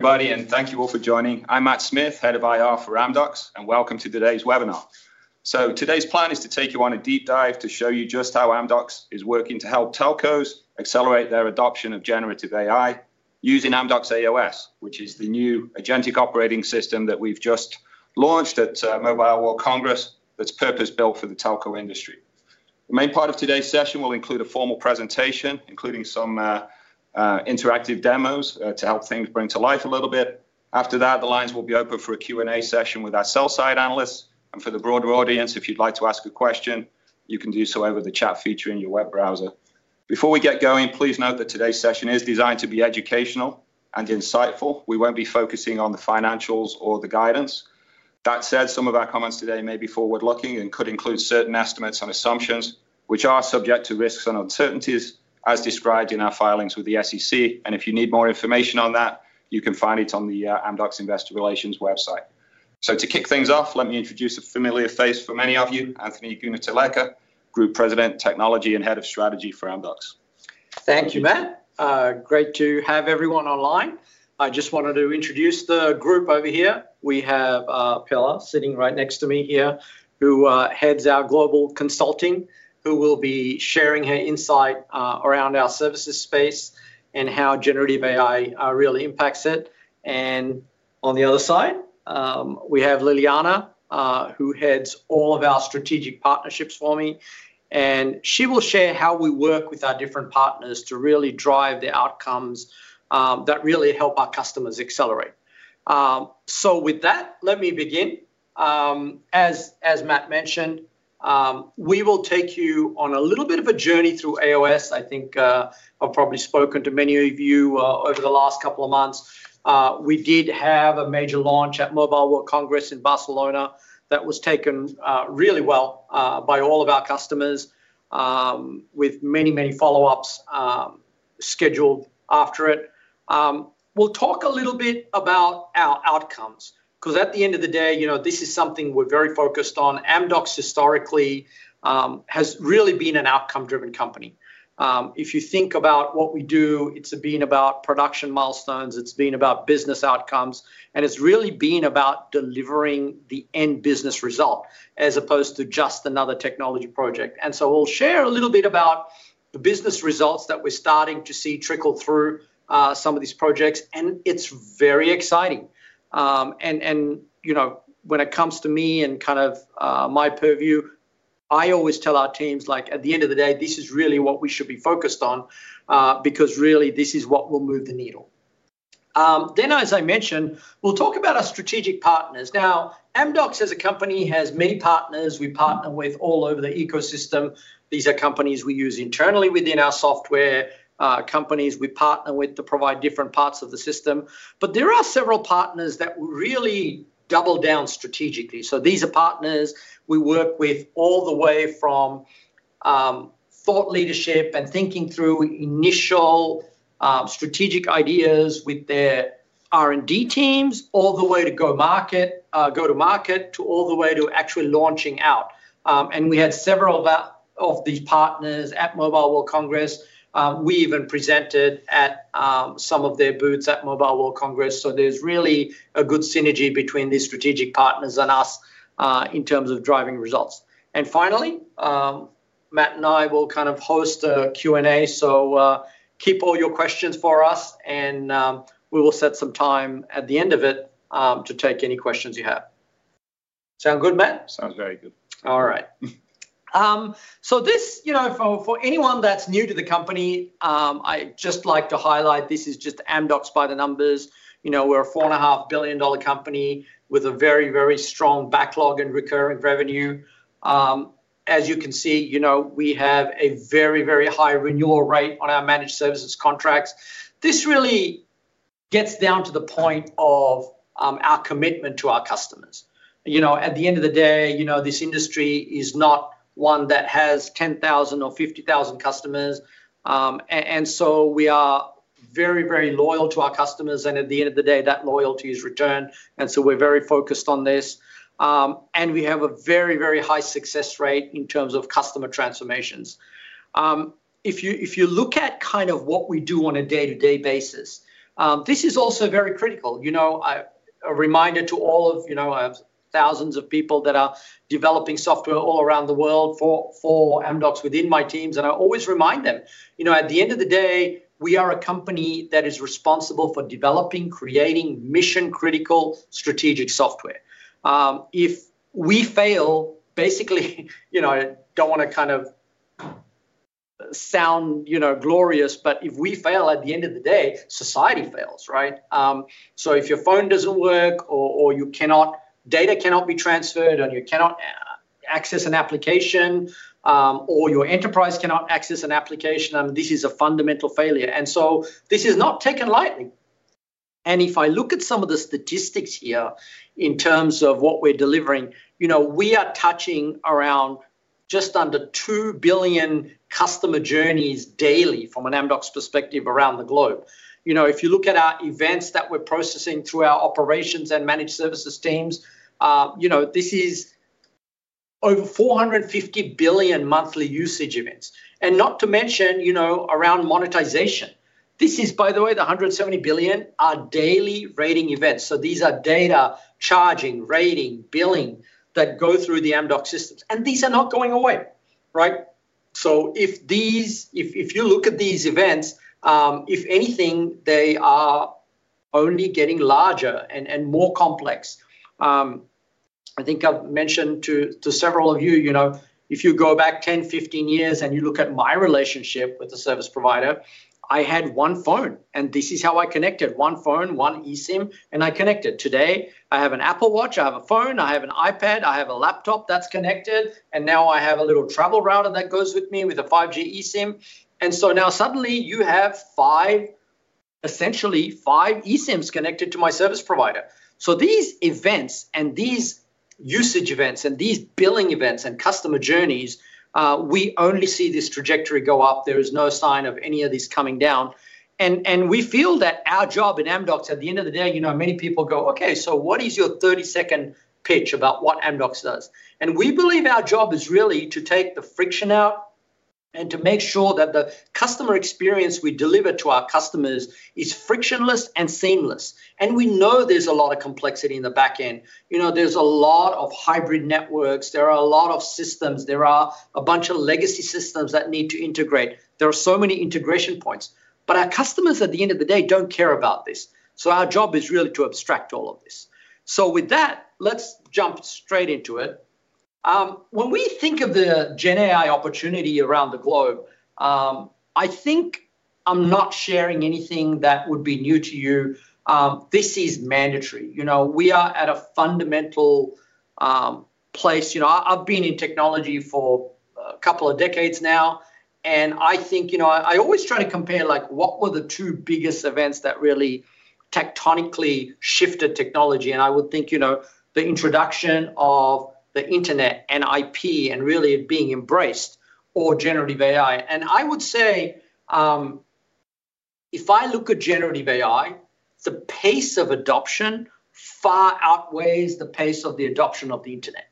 Everybody, and thank you all for joining. I'm Matthew Smith, head of IR for Amdocs, and welcome to today's webinar. Today's plan is to take you on a deep dive to show you just how Amdocs is working to help telcos accelerate their adoption of generative AI using Amdocs aOS, which is the new agentic operating system that we've just launched at Mobile World Congress, that's purpose-built for the telco industry. The main part of today's session will include a formal presentation, including some interactive demos to help things bring to life a little bit. After that, the lines will be open for a Q&A session with our sell-side analysts. For the broader audience, if you'd like to ask a question, you can do so over the chat feature in your web browser. Before we get going, please note that today's session is designed to be educational and insightful. We won't be focusing on the financials or the guidance. That said, some of our comments today may be forward-looking and could include certain estimates and assumptions which are subject to risks and uncertainties as described in our filings with the SEC. If you need more information on that, you can find it on the Amdocs Investor Relations website. To kick things off, let me introduce a familiar face for many of you, Anthony Goonetilleke, Group President, Technology and Head of Strategy for Amdocs. Thank you, Matt. Great to have everyone online. I just wanted to introduce the group over here. We have Pilar sitting right next to me here, who heads our global consulting, who will be sharing her insight around our services space and how generative AI really impacts it. On the other side, we have Liliana, who heads all of our strategic partnerships for me, and she will share how we work with our different partners to really drive the outcomes that really help our customers accelerate. With that, let me begin. As Matt mentioned, we will take you on a little bit of a journey through aOS. I think I've probably spoken to many of you over the last couple of months. We did have a major launch at Mobile World Congress in Barcelona that was taken really well by all of our customers with many follow-ups scheduled after it. We'll talk a little bit about our outcomes 'cause at the end of the day, you know, this is something we're very focused on. Amdocs historically has really been an outcome-driven company. If you think about what we do, it's been about production milestones, it's been about business outcomes, and it's really been about delivering the end business result as opposed to just another technology project. We'll share a little bit about the business results that we're starting to see trickle through some of these projects, and it's very exciting. You know, when it comes to me and kind of my purview, I always tell our teams, like, at the end of the day, this is really what we should be focused on, because really this is what will move the needle. As I mentioned, we'll talk about our strategic partners. Now, Amdocs as a company has many partners we partner with all over the ecosystem. These are companies we use internally within our software, companies we partner with to provide different parts of the system. There are several partners that really double down strategically. These are partners we work with all the way from thought leadership and thinking through initial strategic ideas with their R&D teams, all the way to go-to-market to all the way to actually launching out. We had several of these partners at Mobile World Congress. We even presented at some of their booths at Mobile World Congress. There's really a good synergy between these strategic partners and us in terms of driving results. Finally, Matt and I will kind of host a Q&A. Keep all your questions for us, and we will set some time at the end of it to take any questions you have. Sound good, Matt? Sounds very good. All right. This, you know, for anyone that's new to the company, I'd just like to highlight this is just Amdocs by the numbers. You know, we're a $4.5 billion company with a very, very strong backlog in recurring revenue. As you can see, you know, we have a very, very high renewal rate on our managed services contracts. This really gets down to the point of our commitment to our customers. You know, at the end of the day, you know, this industry is not one that has 10,000 or 50,000 customers. We are very, very loyal to our customers, and at the end of the day, that loyalty is returned, and so we're very focused on this. We have a very, very high success rate in terms of customer transformations. If you look at kind of what we do on a day-to-day basis, this is also very critical. You know, a reminder to all of, you know, thousands of people that are developing software all around the world for Amdocs within my teams, and I always remind them, you know, at the end of the day, we are a company that is responsible for developing, creating mission-critical strategic software. If we fail, basically, you know, I don't wanna kind of sound, you know, glorious, but if we fail, at the end of the day, society fails, right? If your phone doesn't work or data cannot be transferred, and you cannot access an application, or your enterprise cannot access an application, this is a fundamental failure, and this is not taken lightly. If I look at some of the statistics here in terms of what we're delivering, you know, we are touching around just under two billion customer journeys daily from an Amdocs perspective around the globe. You know, if you look at our events that we're processing through our operations and managed services teams, you know, this is over 450 billion monthly usage events. Not to mention, you know, around monetization. This is by the way, the 170 billion are daily rating events. These are data charging, rating, billing that go through the Amdocs systems, and these are not going away, right? If these, if you look at these events, if anything, they are only getting larger and more complex. I think I've mentioned to several of you know, if you go back 10, 15 years and you look at my relationship with the service provider, I had one phone, and this is how I connected one phone, one eSIM, and I connected. Today, I have an Apple Watch, I have a phone, I have an iPad, I have a laptop that's connected, and now I have a little travel router that goes with me with a 5G eSIM. Now suddenly you have five, essentially five eSIMs connected to my service provider. These events and these usage events and these billing events and customer journeys, we only see this trajectory go up. There is no sign of any of these coming down. We feel that our job at Amdocs, at the end of the day, you know, many people go, "Okay, so what is your 30-second pitch about what Amdocs does?" We believe our job is really to take the friction out and to make sure that the customer experience we deliver to our customers is frictionless and seamless. We know there's a lot of complexity in the back end. You know, there's a lot of hybrid networks. There are a lot of systems. There are a bunch of legacy systems that need to integrate. There are so many integration points. Our customers at the end of the day, don't care about this, so our job is really to abstract all of this. With that, let's jump straight into it. When we think of the GenAI opportunity around the globe, I think I'm not sharing anything that would be new to you. This is mandatory. You know, we are at a fundamental place. You know, I've been in technology for a couple of decades now, and I think, you know, I always try to compare like, what were the two biggest events that really tectonically shifted technology. I would think, you know, the introduction of the internet and IP and really it being embraced or generative AI. I would say, if I look at generative AI, the pace of adoption far outweighs the pace of the adoption of the internet,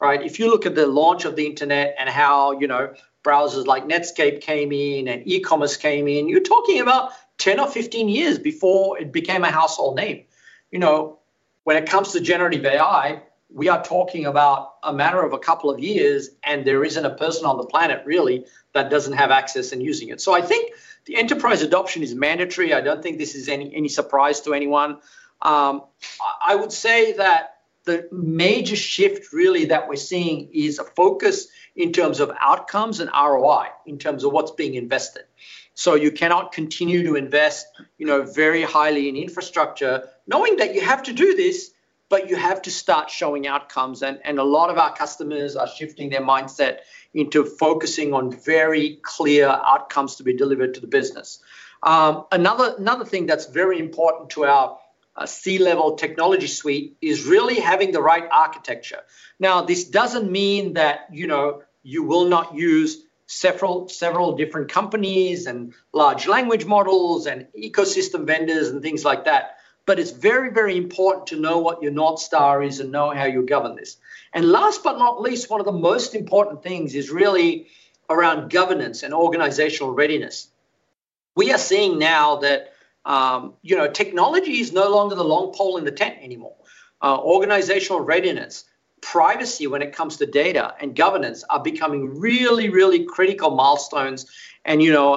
right? If you look at the launch of the internet and how, you know, browsers like Netscape came in and e-commerce came in, you're talking about 10 or 15 years before it became a household name. You know, when it comes to generative AI, we are talking about a matter of a couple of years, and there isn't a person on the planet really that doesn't have access in using it. I think the enterprise adoption is mandatory. I don't think this is any surprise to anyone. I would say that the major shift really that we're seeing is a focus in terms of outcomes and ROI, in terms of what's being invested. You cannot continue to invest, you know, very highly in infrastructure knowing that you have to do this, but you have to start showing outcomes and a lot of our customers are shifting their mindset into focusing on very clear outcomes to be delivered to the business. Another thing that's very important to our C-level technology suite is really having the right architecture. Now, this doesn't mean that, you know, you will not use several different companies and large language models and ecosystem vendors and things like that, but it's very important to know what your North Star is and know how you'll govern this. Last but not least, one of the most important things is really around governance and organizational readiness. We are seeing now that, you know, technology is no longer the long pole in the tent anymore. Organizational readiness, privacy when it comes to data, and governance are becoming really, really critical milestones. You know,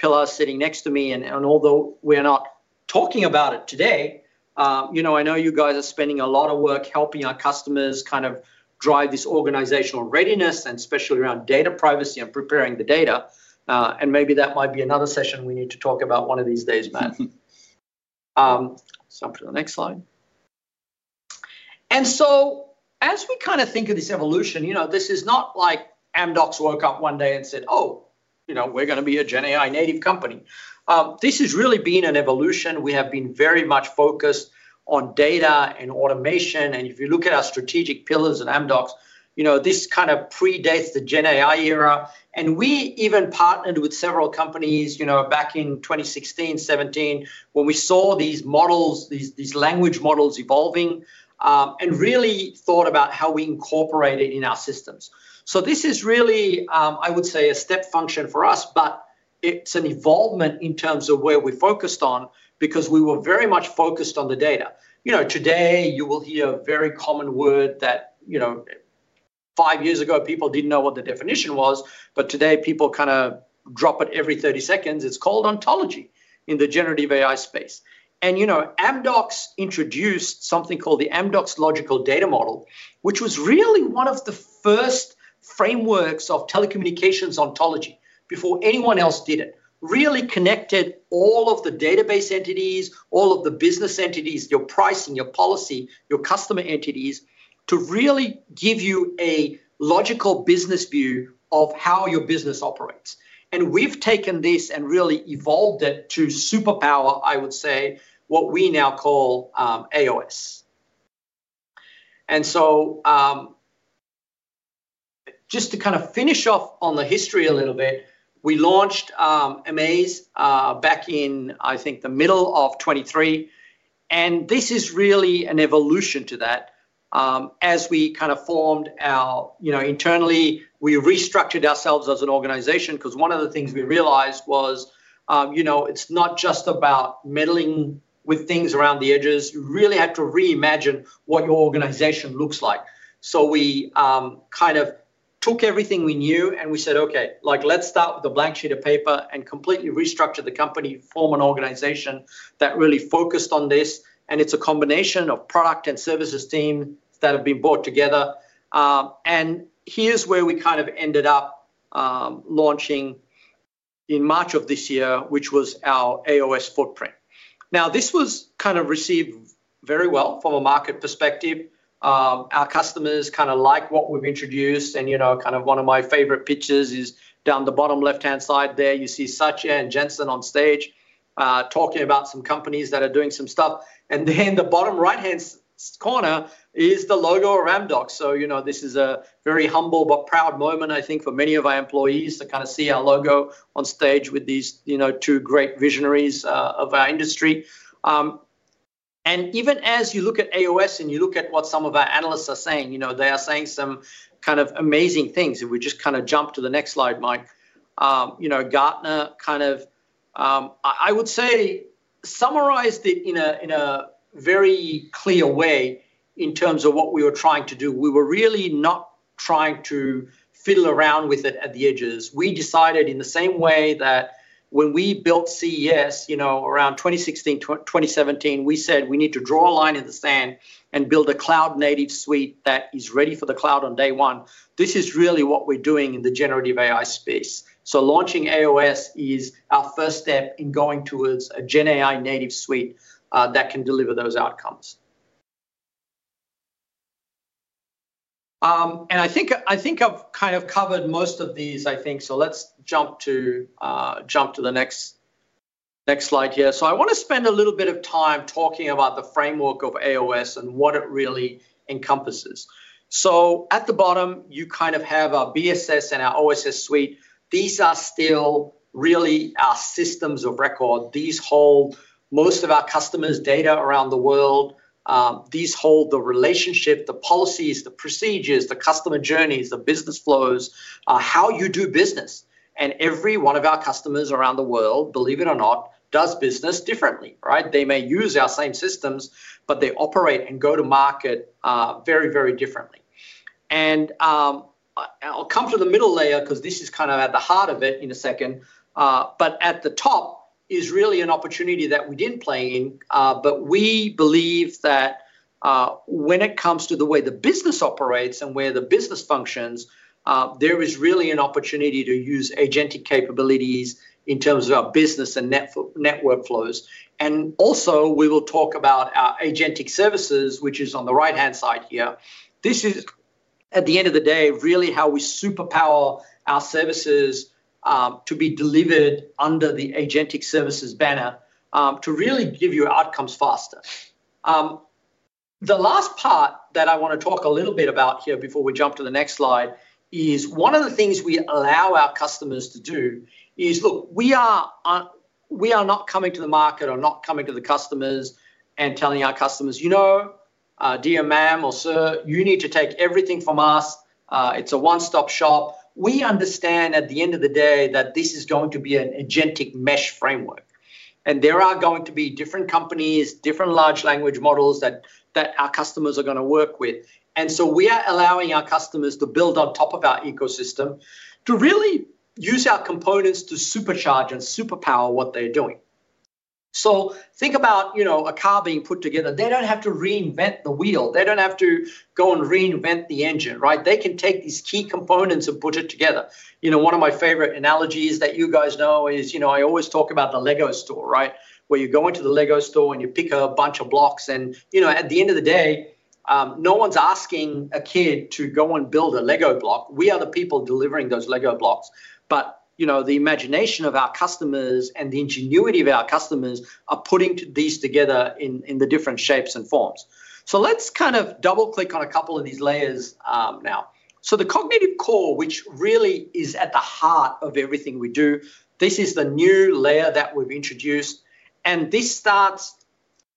Pilar sitting next to me and although we're not talking about it today, you know, I know you guys are spending a lot of work helping our customers kind of drive this organizational readiness and especially around data privacy and preparing the data. Maybe that might be another session we need to talk about one of these days, Matt. On to the next slide. As we kinda think of this evolution, you know, this is not like Amdocs woke up one day and said, "Oh, you know, we're gonna be a GenAI native company." This has really been an evolution. We have been very much focused on data and automation, and if you look at our strategic pillars at Amdocs, you know, this kind of predates the GenAI era. We even partnered with several companies, you know, back in 2016, 2017 when we saw these language models evolving, and really thought about how we incorporate it in our systems. This is really, I would say a step function for us, but it's an evolution in terms of where we're focused on because we were very much focused on the data. You know, today you will hear a very common word that, you know, five years ago people didn't know what the definition was, but today people kinda drop it every 30 seconds. It's called ontology in the generative AI space. You know, Amdocs introduced something called the Amdocs Logical Data Model, which was really one of the first frameworks of telecommunications ontology before anyone else did it, really connected all of the database entities, all of the business entities, your pricing, your policy, your customer entities to really give you a logical business view of how your business operates. We've taken this and really evolved it to superpower, I would say, what we now call aOS. Just to kind of finish off on the history a little bit, we launched amAIz back in, I think, the middle of 2023, and this is really an evolution to that. As we kind of formed our... You know, internally, we restructured ourselves as an organization because one of the things we realized was, you know, it's not just about meddling with things around the edges. You really had to reimagine what your organization looks like. We kind of took everything we knew, and we said, "Okay, like, let's start with a blank sheet of paper and completely restructure the company, form an organization that really focused on this." It's a combination of product and services team that have been brought together. Here's where we kind of ended up, launching in March of this year, which was our aOS footprint. Now, this was kind of received very well from a market perspective. Our customers kinda like what we've introduced and, you know, kind of one of my favorite pictures is down the bottom left-hand side there. You see Satya and Jensen on stage, talking about some companies that are doing some stuff. Then the bottom right-hand side corner is the logo of Amdocs. You know, this is a very humble but proud moment, I think, for many of our employees to kinda see our logo on stage with these, you know, two great visionaries of our industry. Even as you look at aOS and you look at what some of our analysts are saying, you know, they are saying some kind of amazing things. If we just kinda jump to the next slide, Mike. You know, Gartner kind of, I would say summarized it in a very clear way in terms of what we were trying to do. We were really not trying to fiddle around with it at the edges. We decided in the same way that when we built CES, you know, around 2016, 2017, we said we need to draw a line in the sand and build a cloud-native suite that is ready for the cloud on day one. This is really what we're doing in the generative AI space. Launching aOS is our first step in going towards a GenAI native suite that can deliver those outcomes. And I think I've kind of covered most of these, I think. Let's jump to the next slide here. I wanna spend a little bit of time talking about the framework of aOS and what it really encompasses. At the bottom, you kind of have our BSS and our OSS suite. These are still really our systems of record. These hold most of our customers' data around the world. These hold the relationship, the policies, the procedures, the customer journeys, the business flows, how you do business. Every one of our customers around the world, believe it or not, does business differently, right? They may use our same systems, but they operate and go to market, very, very differently. I'll come to the middle layer because this is kind of at the heart of it in a second. At the top is really an opportunity that we didn't play in, but we believe that, when it comes to the way the business operates and where the business functions, there is really an opportunity to use agentic capabilities in terms of our business and network flows. Also, we will talk about our agentic services, which is on the right-hand side here. This is, at the end of the day, really how we superpower our services, to be delivered under the agentic services banner, to really give you outcomes faster. The last part that I wanna talk a little bit about here before we jump to the next slide is one of the things we allow our customers to do is, look, we are not coming to the market or not coming to the customers and telling our customers, "You know, dear ma'am or sir, you need to take everything from us. It's a one-stop shop." We understand at the end of the day that this is going to be an agentic mesh framework, and there are going to be different companies, different large language models that our customers are gonna work with. We are allowing our customers to build on top of our ecosystem to really use our components to supercharge and superpower what they're doing. Think about, you know, a car being put together. They don't have to reinvent the wheel. They don't have to go and reinvent the engine, right? They can take these key components and put it together. You know, one of my favorite analogies that you guys know is, you know, I always talk about the Lego store, right? Where you go into the Lego store and you pick a bunch of blocks and, you know, at the end of the day, no one's asking a kid to go and build a Lego block. We are the people delivering those Lego blocks. You know, the imagination of our customers and the ingenuity of our customers are putting these together in the different shapes and forms. Let's kind of double-click on a couple of these layers, now. The cognitive core, which really is at the heart of everything we do, this is the new layer that we've introduced, and this starts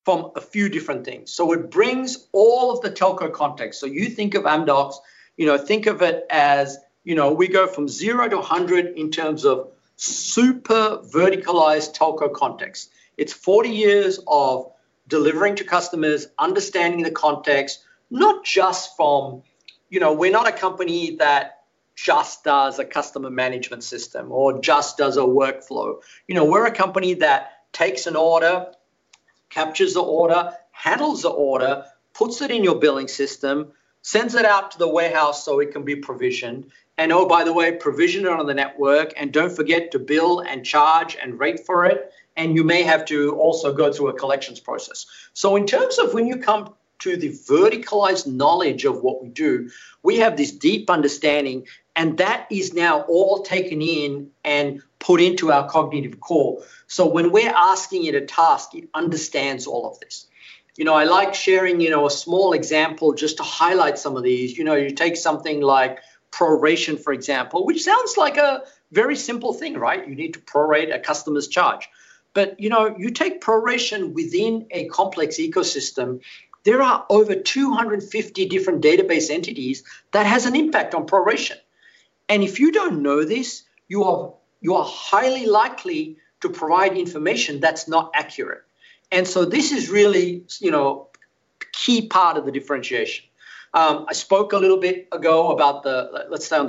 from a few different things. It brings all of the telco context. You think of Amdocs, you know, think of it as, you know, we go from zero to 100 in terms of super verticalized telco context. It's 40 years of delivering to customers, understanding the context, not just from. You know, we're not a company that just does a customer management system or just does a workflow. You know, we're a company that takes an order, captures the order, handles the order, puts it in your billing system, sends it out to the warehouse so it can be provisioned. Oh, by the way, provision it on the network, and don't forget to bill and charge and rate for it, and you may have to also go through a collections process. In terms of when you come to the verticalized knowledge of what we do, we have this deep understanding, and that is now all taken in and put into our Cognitive Core. When we're asking it a task, it understands all of this. You know, I like sharing, you know, a small example just to highlight some of these. You know, you take something like Proration, for example, which sounds like a very simple thing, right? You need to prorate a customer's charge. You know, you take proration within a complex ecosystem, there are over 250 different database entities that has an impact on proration. If you don't know this, you are highly likely to provide information that's not accurate. This is really, you know, key part of the differentiation. Let's stay on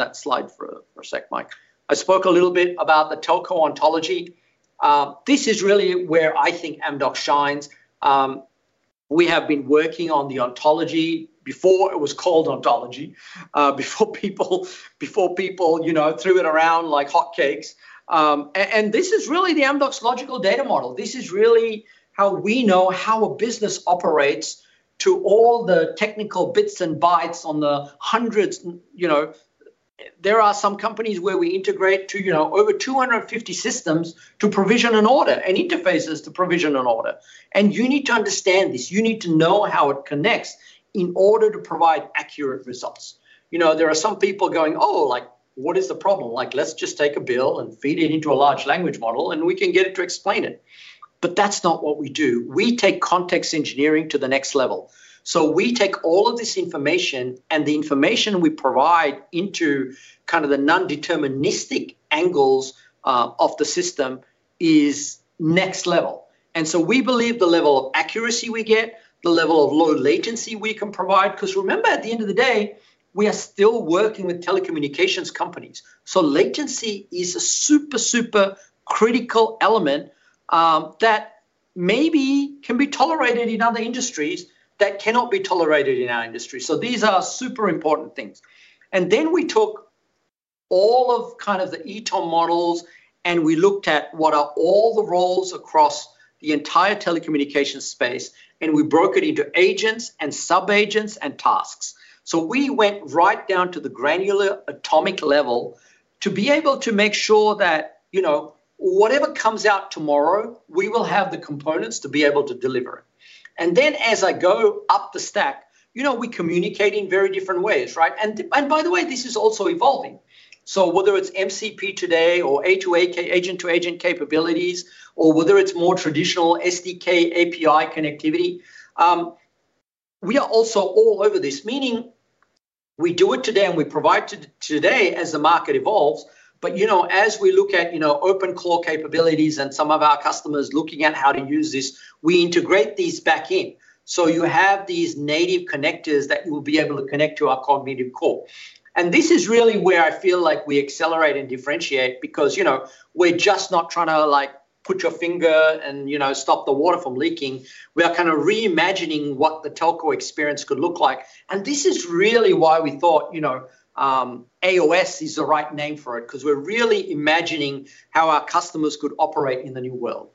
that slide for a sec, Mike. I spoke a little bit about the telco ontology. This is really where I think Amdocs shines. We have been working on the ontology before it was called ontology, before people, you know, threw it around like hotcakes. This is really the Amdocs Logical Data Model. This is really how we know how a business operates to all the technical bits and bytes on the hundreds, you know. There are some companies where we integrate to, you know, over 250 systems to provision an order and interfaces to provision an order. You need to understand this. You need to know how it connects in order to provide accurate results. You know, there are some people going, "Oh, like, what is the problem? Like, let's just take a bill and feed it into a large language model, and we can get it to explain it." That's not what we do. We take context engineering to the next level. We take all of this information and the information we provide into kind of the non-deterministic angles of the system is next level. We believe the level of accuracy we get, the level of low latency we can provide. 'Cause remember, at the end of the day, we are still working with telecommunications companies, so latency is a super critical element that maybe can be tolerated in other industries that cannot be tolerated in our industry. These are super important things. Then we took all of kind of the eTOM models, and we looked at what are all the roles across the entire telecommunications space, and we broke it into agents and sub-agents and tasks. We went right down to the granular atomic level to be able to make sure that, you know, whatever comes out tomorrow, we will have the components to be able to deliver it. Then as I go up the stack, you know, we communicate in very different ways, right? And by the way, this is also evolving. Whether it's MCP today or A2A, agent-to-agent capabilities, or whether it's more traditional SDK API connectivity, we are also all over this. Meaning, we do it today and we provide today as the market evolves. You know, as we look at, you know, open core capabilities and some of our customers looking at how to use this, we integrate these back in, so you have these native connectors that you will be able to connect to our Cognitive Core. This is really where I feel like we accelerate and differentiate because, you know, we're just not trying to, like, put your finger and, you know, stop the water from leaking. We are kinda reimagining what the telco experience could look like. This is really why we thought, you know, aOS is the right name for it, 'cause we're really imagining how our customers could operate in the new world.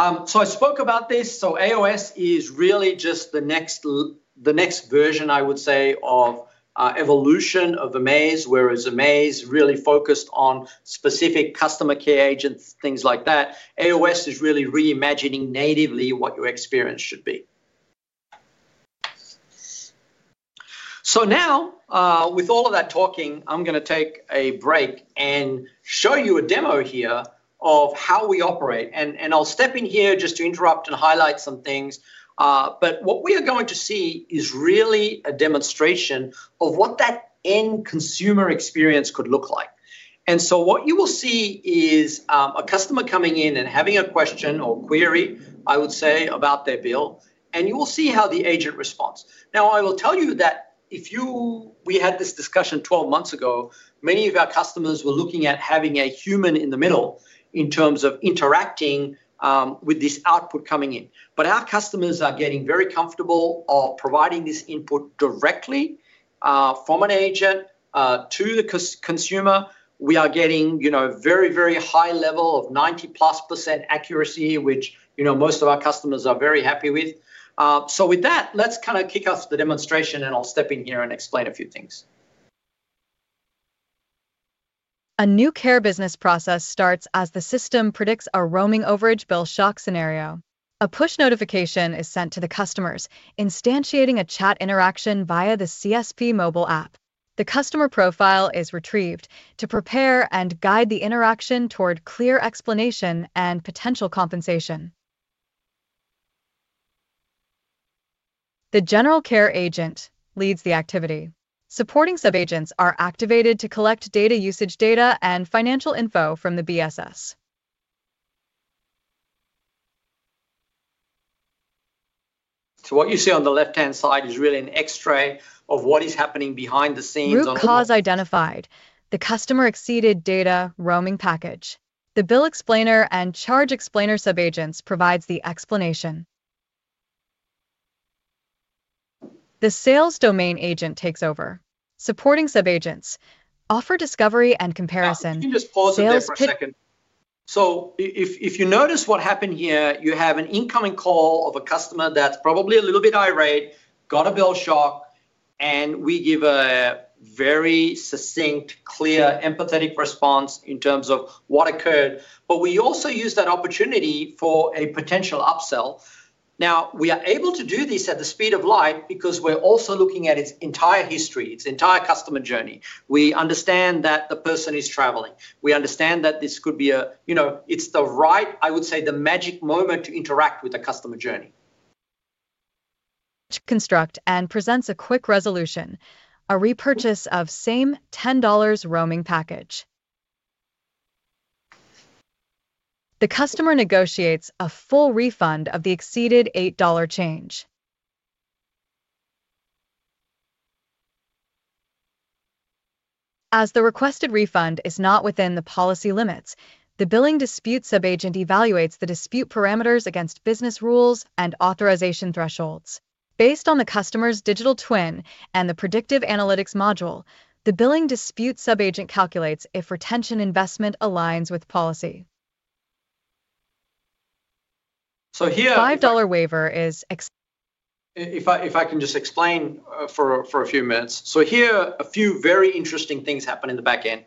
I spoke about this. aOS is really just the next version, I would say, of evolution of amAIz, whereas amAIz really focused on specific customer care agents, things like that. aOS is really reimagining natively what your experience should be. Now, with all of that talking, I'm gonna take a break and show you a demo here of how we operate and I'll step in here just to interrupt and highlight some things. What we are going to see is really a demonstration of what that end consumer experience could look like. What you will see is a customer coming in and having a question or query, I would say, about their bill, and you will see how the agent responds. Now, I will tell you that we had this discussion 12 months ago. Many of our customers were looking at having a human in the middle in terms of interacting with this output coming in. Our customers are getting very comfortable providing this input directly from an agent to the consumer. We are getting, you know, very, very high level of 90%+ accuracy, which, you know, most of our customers are very happy with. With that, let's kinda kick off the demonstration, and I'll step in here and explain a few things. A new care business process starts as the system predicts a roaming overage bill shock scenario. A push notification is sent to the customers, instantiating a chat interaction via the CSP mobile app. The customer profile is retrieved to prepare and guide the interaction toward clear explanation and potential compensation. The general care agent leads the activity. Supporting sub-agents are activated to collect data usage data and financial info from the BSS. What you see on the left-hand side is really an x-ray of what is happening behind the scenes on a Root cause identified. The customer exceeded data roaming package. The bill explainer and charge explainer sub-agents provides the explanation. The sales domain agent takes over. Supporting sub-agents offer discovery and comparison. Sales could- Can you just pause it there for a second? If you notice what happened here, you have an incoming call of a customer that's probably a little bit irate, got a bill shock. We give a very succinct, clear, empathetic response in terms of what occurred. We also use that opportunity for a potential upsell. Now, we are able to do this at the speed of light because we're also looking at its entire history, its entire customer journey. We understand that the person is traveling. We understand that this could be a, you know, it's the right, I would say, the magic moment to interact with the customer journey. To construct and present a quick resolution, a repurchase of same $10 roaming package. The customer negotiates a full refund of the exceeded $8 charge. As the requested refund is not within the policy limits, the billing dispute sub-agent evaluates the dispute parameters against business rules and authorization thresholds. Based on the customer's digital twin and the predictive analytics module, the billing dispute sub-agent calculates if retention investment aligns with policy. So here- The $5 waiver is ex- If I can just explain for a few minutes. Here are a few very interesting things happen in the back end.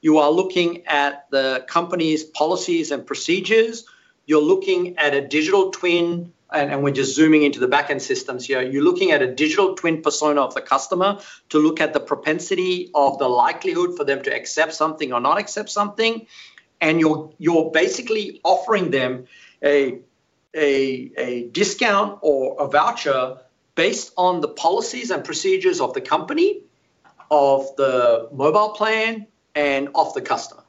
You are looking at the company's policies and procedures. You're looking at a digital twin, and we're just zooming into the back-end systems here. You're looking at a digital twin persona of the customer to look at the propensity of the likelihood for them to accept something or not accept something. You're basically offering them a discount or a voucher based on the policies and procedures of the company, of the mobile plan, and of the customer.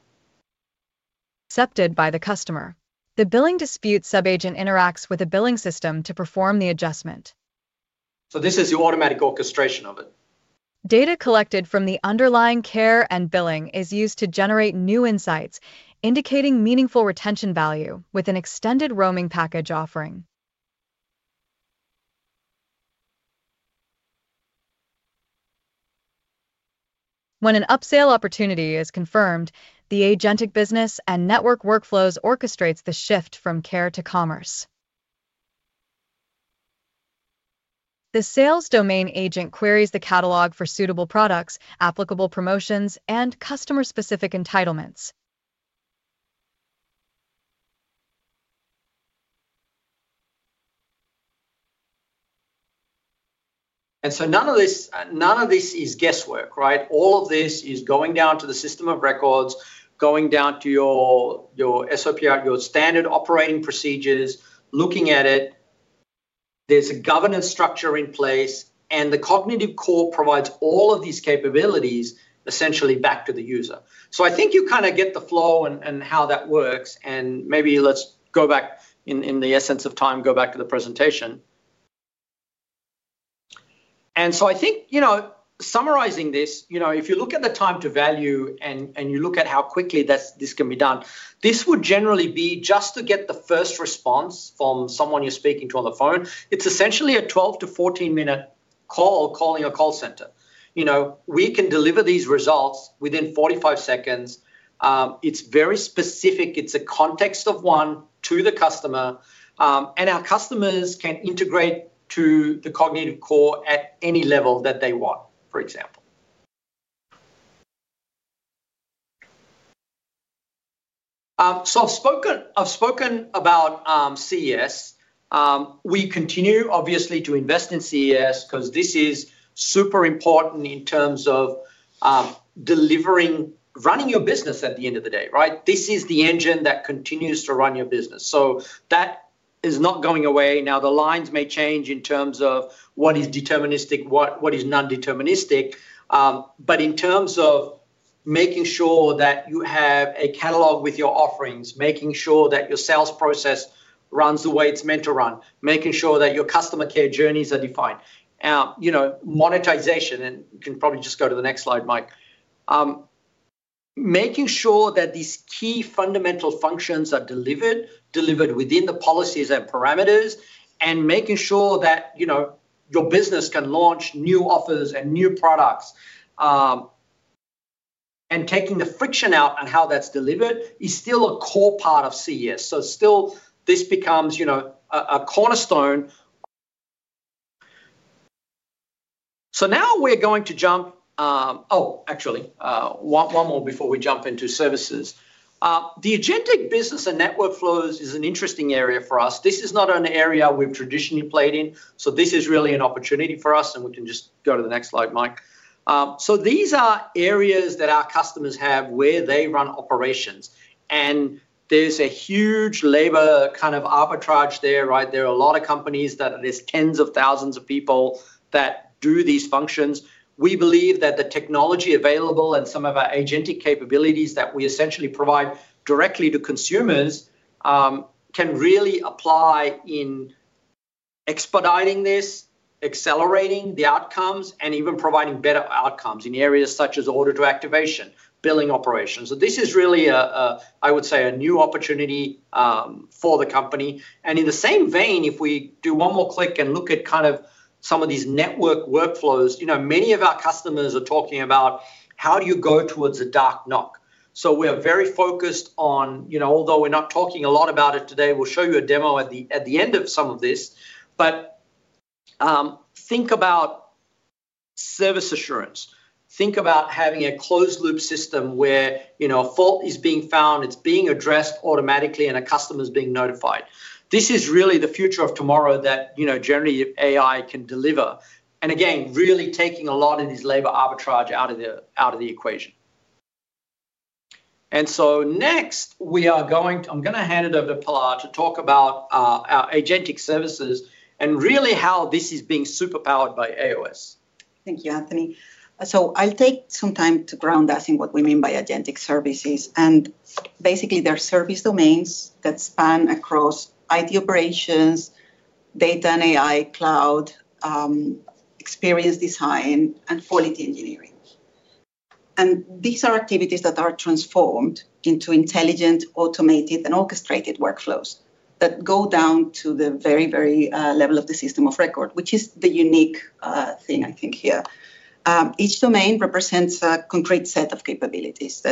Accepted by the customer. The billing dispute sub-agent interacts with the billing system to perform the adjustment. This is the automatic orchestration of it. Data collected from the underlying care and billing is used to generate new insights, indicating meaningful retention value with an extended roaming package offering. When an upsale opportunity is confirmed, the agentic business and network workflows orchestrate the shift from care to commerce. The sales domain agent queries the catalog for suitable products, applicable promotions, and customer-specific entitlements. None of this is guesswork, right? All of this is going down to the system of records, going down to your SOP, your standard operating procedures, looking at it. There's a governance structure in place, and the Cognitive Core provides all of these capabilities essentially back to the user. I think you kinda get the flow and how that works, and maybe let's go back in the interest of time, go back to the presentation. I think, you know, summarizing this, you know, if you look at the time to value and you look at how quickly this can be done, this would generally be just to get the first response from someone you're speaking to on the phone. It's essentially a 12 to 14 minute call calling a call center. You know, we can deliver these results within 45 seconds. It's very specific. It's a context of one to the customer, and our customers can integrate to the Cognitive Core at any level that they want, for example. I've spoken about CES. We continue obviously to invest in CES 'cause this is super important in terms of delivering, running your business at the end of the day, right? This is the engine that continues to run your business. That is not going away. Now, the lines may change in terms of what is deterministic, what is non-deterministic. But in terms of making sure that you have a catalog with your offerings, making sure that your sales process runs the way it's meant to run, making sure that your customer care journeys are defined. You know, monetization, and you can probably just go to the next slide, Mike. Making sure that these key fundamental functions are delivered within the policies and parameters, and making sure that, you know, your business can launch new offers and new products, and taking the friction out on how that's delivered is still a core part of CES. Still this becomes, you know, a cornerstone. Now we're going to jump. Actually, one more before we jump into services. The agentic business and network flows is an interesting area for us. This is not an area we've traditionally played in, so this is really an opportunity for us, and we can just go to the next slide, Mike. These are areas that our customers have where they run operations, and there's a huge labor kind of arbitrage there, right? There are a lot of companies that there's tens of thousands of people that do these functions. We believe that the technology available and some of our agentic capabilities that we essentially provide directly to consumers can really apply in expediting this, accelerating the outcomes, and even providing better outcomes in areas such as order to activation, billing operations. This is really, I would say, a new opportunity for the company. In the same vein, if we do one more click and look at kind of some of these network workflows, you know, many of our customers are talking about how do you go towards a dark NOC. We are very focused on, you know, although we're not talking a lot about it today, we'll show you a demo at the end of some of this. Think about service assurance. Think about having a closed loop system where, you know, a fault is being found, it's being addressed automatically, and a customer's being notified. This is really the future of tomorrow that, you know, generative AI can deliver, and again, really taking a lot of this labor arbitrage out of the equation. Next, I'm gonna hand it over to Pilar to talk about our agentic services and really how this is being super powered by aOS. Thank you, Anthony. I'll take some time to ground us in what we mean by agentic services. Basically they're service domains that span across IT operations, data and AI, cloud, experience design, and quality engineering. These are activities that are transformed into intelligent, automated, and orchestrated workflows that go down to the level of the system of record, which is the unique thing I think here. Each domain represents a concrete set of capabilities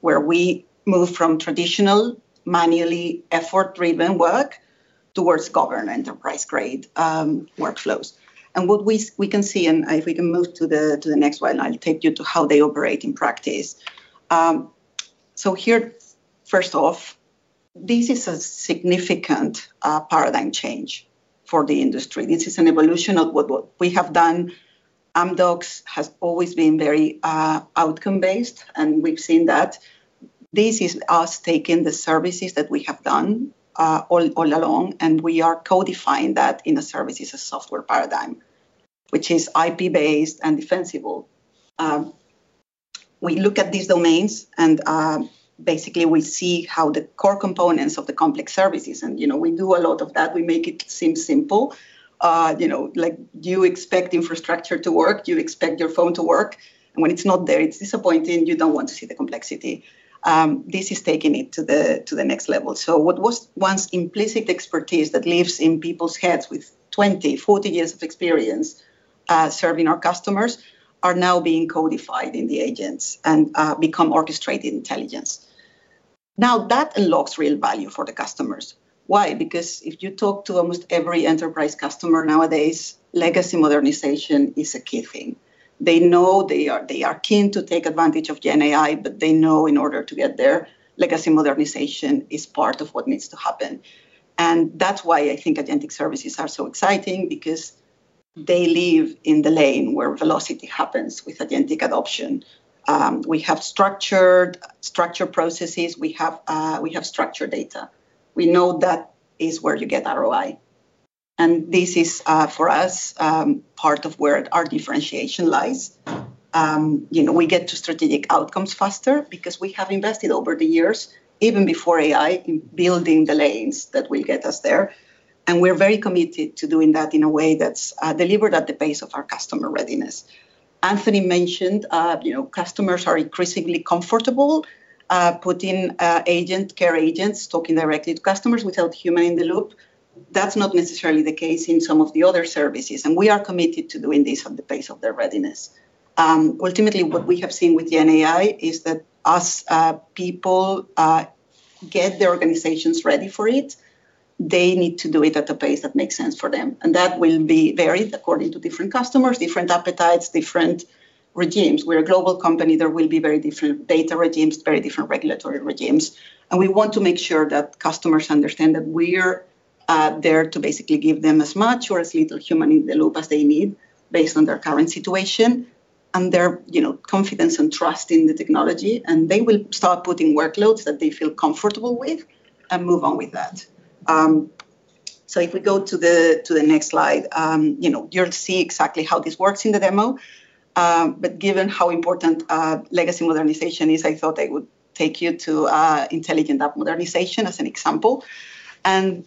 where we move from traditional, manually effort-driven work towards governed enterprise-grade workflows. What we can see, if we can move to the next one, I'll take you to how they operate in practice. Here, first off, this is a significant paradigm change for the industry. This is an evolution of what we have done. Amdocs has always been very outcome-based, and we've seen that. This is us taking the services that we have done all along, and we are codifying that in a services as software paradigm, which is IP-based and defensible. We look at these domains and basically we see how the core components of the complex services, and you know, we do a lot of that. We make it seem simple. You know, like you expect infrastructure to work. You expect your phone to work. When it's not there, it's disappointing. You don't want to see the complexity. This is taking it to the next level. What was once implicit expertise that lives in people's heads with 20, 40 years of experience serving our customers are now being codified in the agents and become orchestrated intelligence. Now, that unlocks real value for the customers. Why? Because if you talk to almost every enterprise customer nowadays, legacy modernization is a key thing. They know they are keen to take advantage of GenAI, but they know in order to get there, legacy modernization is part of what needs to happen. That's why I think agentic services are so exciting because they live in the lane where velocity happens with agentic adoption. We have structured processes. We have structured data. We know that is where you get ROI. This is for us part of where our differentiation lies. You know, we get to strategic outcomes faster because we have invested over the years, even before AI, in building the lanes that will get us there. We're very committed to doing that in a way that's delivered at the pace of our customer readiness. Anthony mentioned, you know, customers are increasingly comfortable putting care agents talking directly to customers without human in the loop. That's not necessarily the case in some of the other services, and we are committed to doing this at the pace of their readiness. Ultimately, what we have seen with GenAI is that as people get their organizations ready for it, they need to do it at a pace that makes sense for them. That will be varied according to different customers, different appetites, different regimes. We're a global company. There will be very different data regimes, very different regulatory regimes, and we want to make sure that customers understand that we're there to basically give them as much or as little human in the loop as they need based on their current situation and their, you know, confidence and trust in the technology, and they will start putting workloads that they feel comfortable with and move on with that. So if we go to the next slide, you know, you'll see exactly how this works in the demo. But given how important legacy modernization is, I thought I would take you to intelligent app modernization as an example.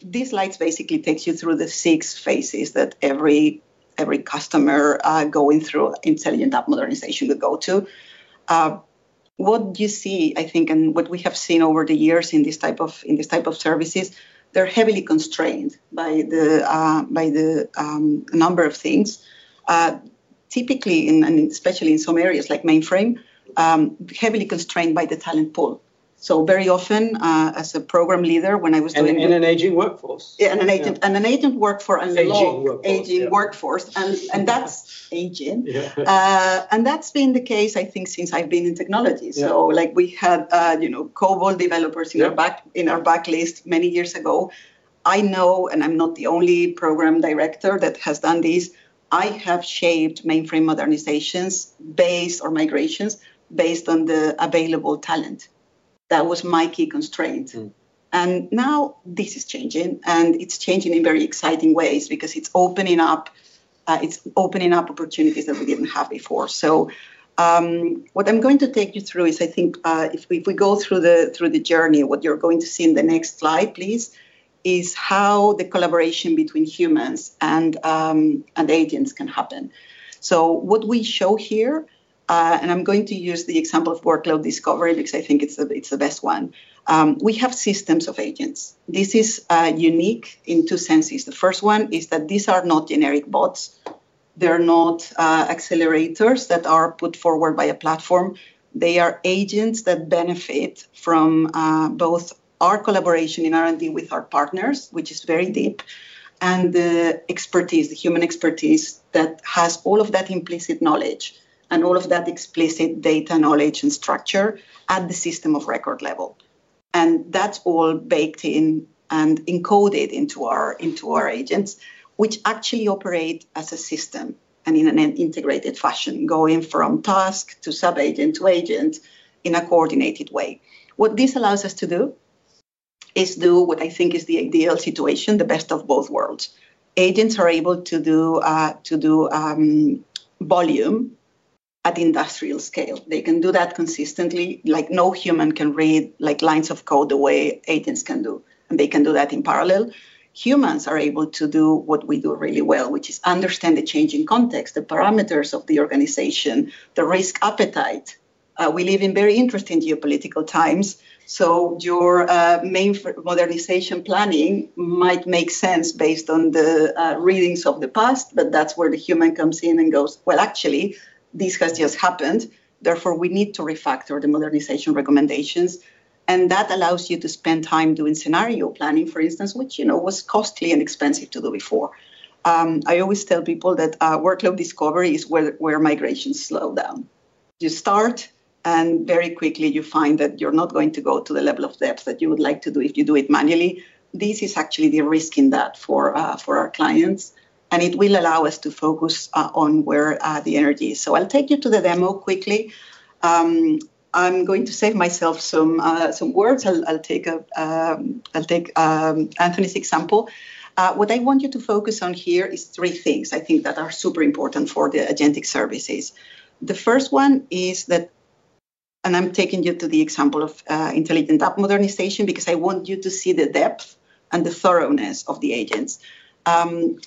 These slides basically takes you through the six phases that every customer going through intelligent app modernization would go to. What you see, I think, and what we have seen over the years in this type of services, they're heavily constrained by the number of things. Typically, and especially in some areas like mainframe, heavily constrained by the talent pool. Very often, as a program leader when I was doing- an aging workforce. Yeah. An agent workforce and low- Aging workforce. Yeah... aging workforce. That's aging. Yeah. That's been the case I think since I've been in technology. Yeah. Like we had, you know, COBOL developers. Yeah In our backlog many years ago. I know, I'm not the only program director that has done this. I have shaped mainframe modernizations or migrations based on the available talent. That was my key constraint. Mm. Now this is changing, and it's changing in very exciting ways because it's opening up opportunities that we didn't have before. What I'm going to take you through is I think, if we go through the journey, what you're going to see in the next slide please, is how the collaboration between humans and agents can happen. What we show here, and I'm going to use the example of workload discovery because I think it's the best one. We have systems of agents. This is unique in two senses. The first one is that these are not generic bots. They're not accelerators that are put forward by a platform. They are agents that benefit from both our collaboration in R&D with our partners, which is very deep, and the expertise, the human expertise that has all of that implicit knowledge and all of that explicit data knowledge and structure at the system of record level. That's all baked in and encoded into our agents which actually operate as a system and in an integrated fashion, going from task to sub-agent to agent in a coordinated way. What this allows us to do is do what I think is the ideal situation, the best of both worlds. Agents are able to do volume at industrial scale. They can do that consistently. Like, no human can read, like, lines of code the way agents can do, and they can do that in parallel. Humans are able to do what we do really well, which is understand the change in context, the parameters of the organization, the risk appetite. We live in very interesting geopolitical times, so your main modernization planning might make sense based on the readings of the past, but that's where the human comes in and goes, "Well, actually, this just happened, therefore, we need to refactor the modernization recommendations." That allows you to spend time doing scenario planning, for instance, which, you know, was costly and expensive to do before. I always tell people that workload discovery is where migrations slow down. You start, and very quickly you find that you're not going to go to the level of depth that you would like to do if you do it manually. This is actually the risk in that for our clients, and it will allow us to focus on where the energy is. I'll take you to the demo quickly. I'm going to save myself some words. I'll take Anthony's example. What I want you to focus on here is three things I think that are super important for the agentic services. The first one is that. I'm taking you to the example of intelligent app modernization because I want you to see the depth and the thoroughness of the agents.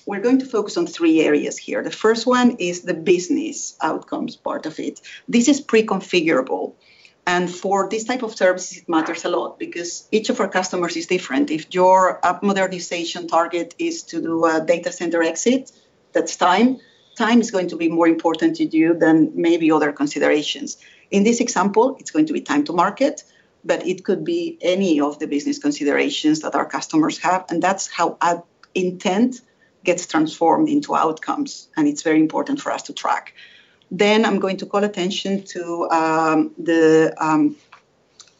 We're going to focus on three areas here. The first one is the business outcomes part of it. This is pre-configurable. For this type of services, it matters a lot because each of our customers is different. If your app modernization target is to do a data center exit, that's time. Time is going to be more important to you than maybe other considerations. In this example, it's going to be time to market, but it could be any of the business considerations that our customers have, and that's how intent gets transformed into outcomes, and it's very important for us to track. I'm going to call attention to the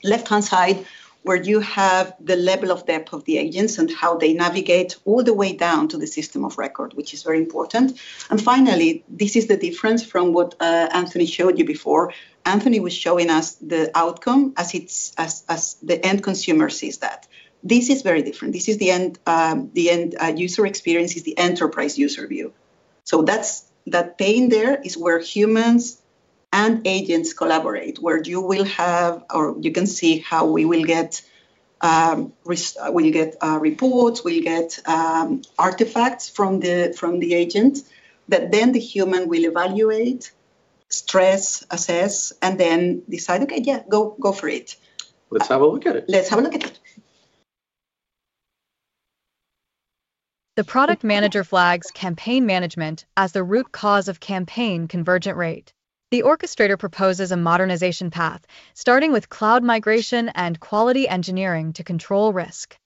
left-hand side where you have the level of depth of the agents and how they navigate all the way down to the system of record, which is very important. Finally, this is the difference from what Anthony showed you before. Anthony was showing us the outcome as it's as the end consumer sees that. This is very different. This is the end user experience. It's the enterprise user view. That's that pane there is where humans and agents collaborate, where you will have, or you can see how we get reports. We get artifacts from the agent that then the human will evaluate, stress, assess, and then decide, "Okay. Yeah. Go, go for it. Let's have a look at it. Let's have a look at it. The product manager flags campaign management as the root cause of campaign convergent rate. The orchestrator proposes a modernization path, starting with cloud migration and quality engineering to control risk.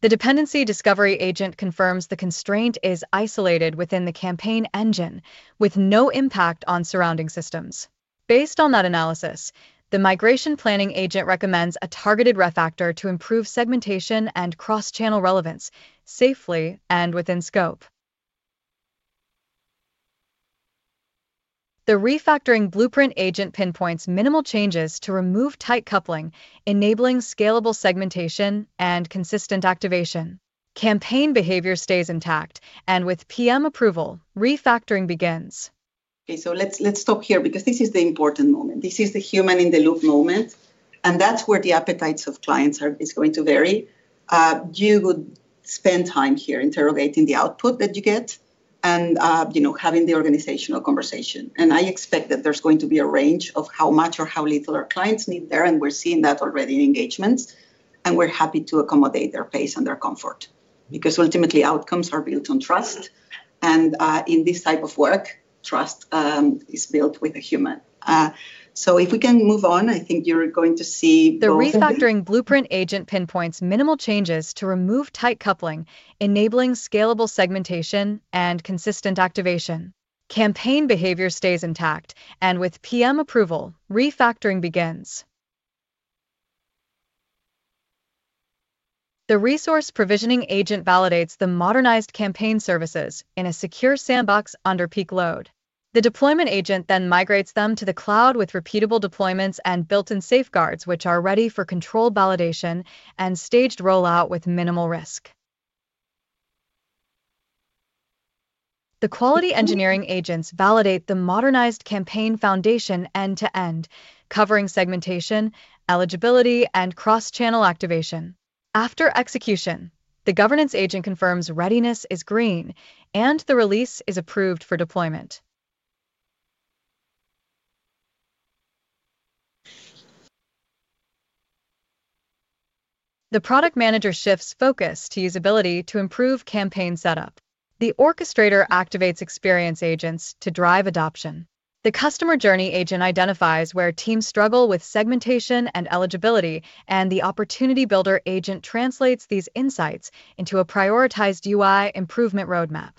The dependency discovery agent confirms the constraint is isolated within the campaign engine with no impact on surrounding systems. Based on that analysis, the migration planning agent recommends a targeted refactor to improve segmentation and cross-channel relevance safely and within scope. The refactoring blueprint agent pinpoints minimal changes to remove tight coupling, enabling scalable segmentation and consistent activation. Campaign behavior stays intact, and with PM approval, refactoring begins. Okay, let's stop here because this is the important moment. This is the human-in-the-loop moment, and that's where the appetites of clients are, is going to vary. You would spend time here interrogating the output that you get and, you know, having the organizational conversation. And I expect that there's going to be a range of how much or how little our clients need there, and we're seeing that already in engagements, and we're happy to accommodate their pace and their comfort because ultimately, outcomes are built on trust. In this type of work, trust is built with a human. If we can move on, I think you're going to see both- The refactoring blueprint agent pinpoints minimal changes to remove tight coupling, enabling scalable segmentation and consistent activation. Campaign behavior stays intact, and with PM approval, refactoring begins. The resource provisioning agent validates the modernized campaign services in a secure sandbox under peak load. The deployment agent then migrates them to the cloud with repeatable deployments and built-in safeguards which are ready for controlled validation and staged rollout with minimal risk. The quality engineering agents validate the modernized campaign foundation end to end, covering segmentation, eligibility, and cross-channel activation. After execution, the governance agent confirms readiness is green, and the release is approved for deployment. The product manager shifts focus to usability to improve campaign setup. The orchestrator activates experience agents to drive adoption. The customer journey agent identifies where teams struggle with segmentation and eligibility, and the opportunity builder agent translates these insights into a prioritized UI improvement roadmap.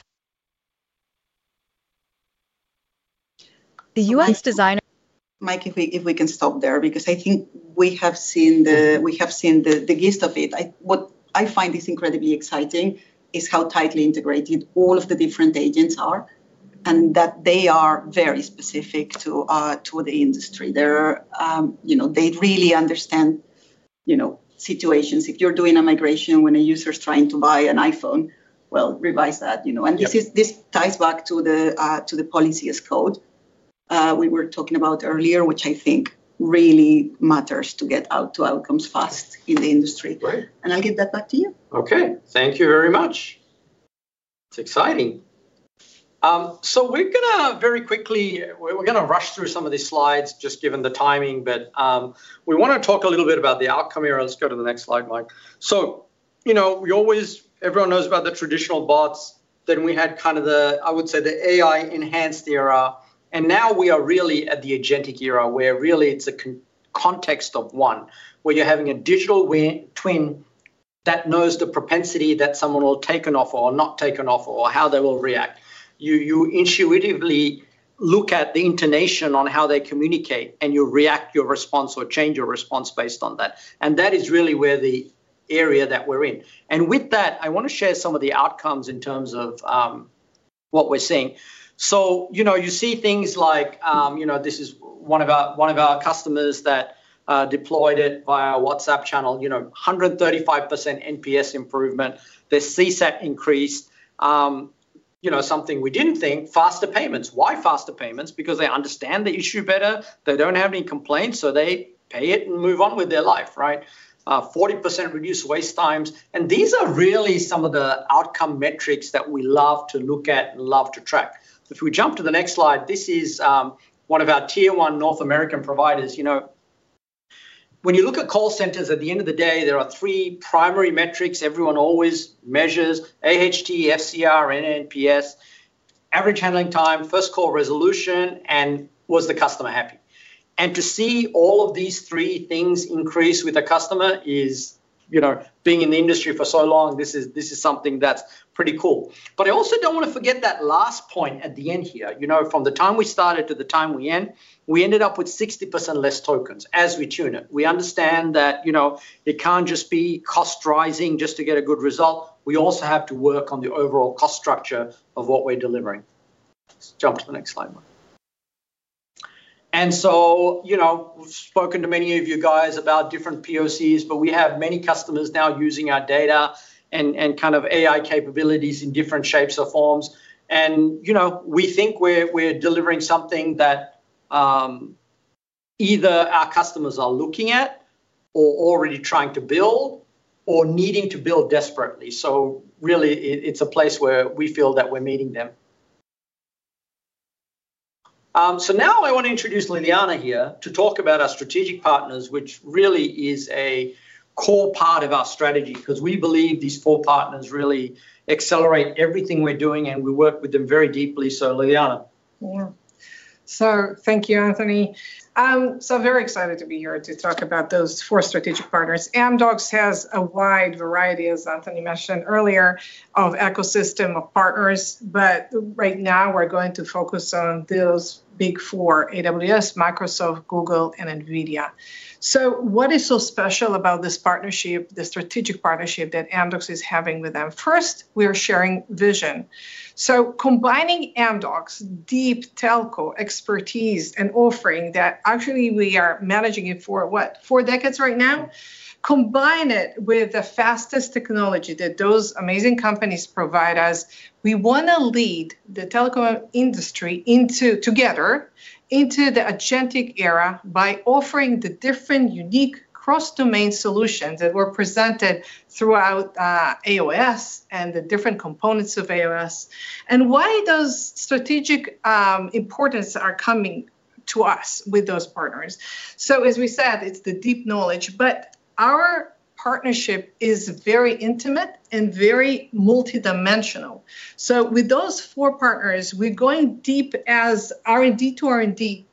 The UI designer- Mike, if we can stop there because I think we have seen the gist of it. What I find is incredibly exciting is how tightly integrated all of the different agents are, and that they are very specific to the industry. They're, you know, they really understand, you know, situations. If you're doing a migration when a user's trying to buy an iPhone, well, revise that, you know. Yeah. This ties back to the policy as code we were talking about earlier, which I think really matters to get to outcomes fast in the industry. Right. I'll give that back to you. Okay. Thank you very much. It's exciting. We're gonna very quickly rush through some of these slides, just given the timing, but we wanna talk a little bit about the outcome here. Let's go to the next slide, Mike. You know, we always, everyone knows about the traditional bots. Then we had kind of the, I would say, the AI-enhanced era, and now we are really at the agentic era, where really it's a context of one, where you're having a digital twin that knows the propensity that someone will take an offer or not take an offer or how they will react. You intuitively look at the intonation on how they communicate, and you react your response or change your response based on that. That is really where the era that we're in. With that, I wanna share some of the outcomes in terms of what we're seeing. You know, you see things like, you know, this is one of our customers that deployed it via WhatsApp channel. You know, 135% NPS improvement. Their CSAT increased. You know, something we didn't think, faster payments. Why faster payments? Because they understand the issue better. They don't have any complaints, so they pay it and move on with their life, right? 40% reduced wait times. These are really some of the outcome metrics that we love to look at and love to track. If we jump to the next slide, this is one of our tier one North American providers. You know, when you look at call centers, at the end of the day, there are three primary metrics everyone always measures: AHT, FCR, and NPS. Average handling time, first call resolution, and was the customer happy? To see all of these three things increase with a customer is, you know, being in the industry for so long, this is something that's pretty cool. But I also don't wanna forget that last point at the end here. You know, from the time we started to the time we end, we ended up with 60% less tokens as we tune it. We understand that, you know, it can't just be cost rising just to get a good result. We also have to work on the overall cost structure of what we're delivering. Let's jump to the next slide, Mike. You know, we've spoken to many of you guys about different POCs, but we have many customers now using our data and kind of AI capabilities in different shapes or forms. You know, we think we're delivering something that either our customers are looking at or already trying to build or needing to build desperately. Really, it's a place where we feel that we're meeting them. Now I wanna introduce Liliana here to talk about our strategic partners, which really is a core part of our strategy 'cause we believe these four partners really accelerate everything we're doing, and we work with them very deeply. Liliana. Yeah. Thank you, Anthony. Very excited to be here to talk about those four strategic partners. Amdocs has a wide variety, as Anthony mentioned earlier, of ecosystem of partners, but right now we're going to focus on those big four: AWS, Microsoft, Google, and NVIDIA. What is so special about this partnership, the strategic partnership that Amdocs is having with them? First, we are sharing vision. Combining Amdocs' deep telco expertise and offering that actually we are managing it for what? Four decades right now. Combine it with the fastest technology that those amazing companies provide us. We wanna lead the telco industry together into the agentic era by offering the different unique cross-domain solutions that were presented throughout AOS and the different components of AOS. Why those strategic importance are coming to us with those partners. As we said, it's the deep knowledge, but our partnership is very intimate and very multidimensional. With those four partners, we're going deep as R&D to R&D.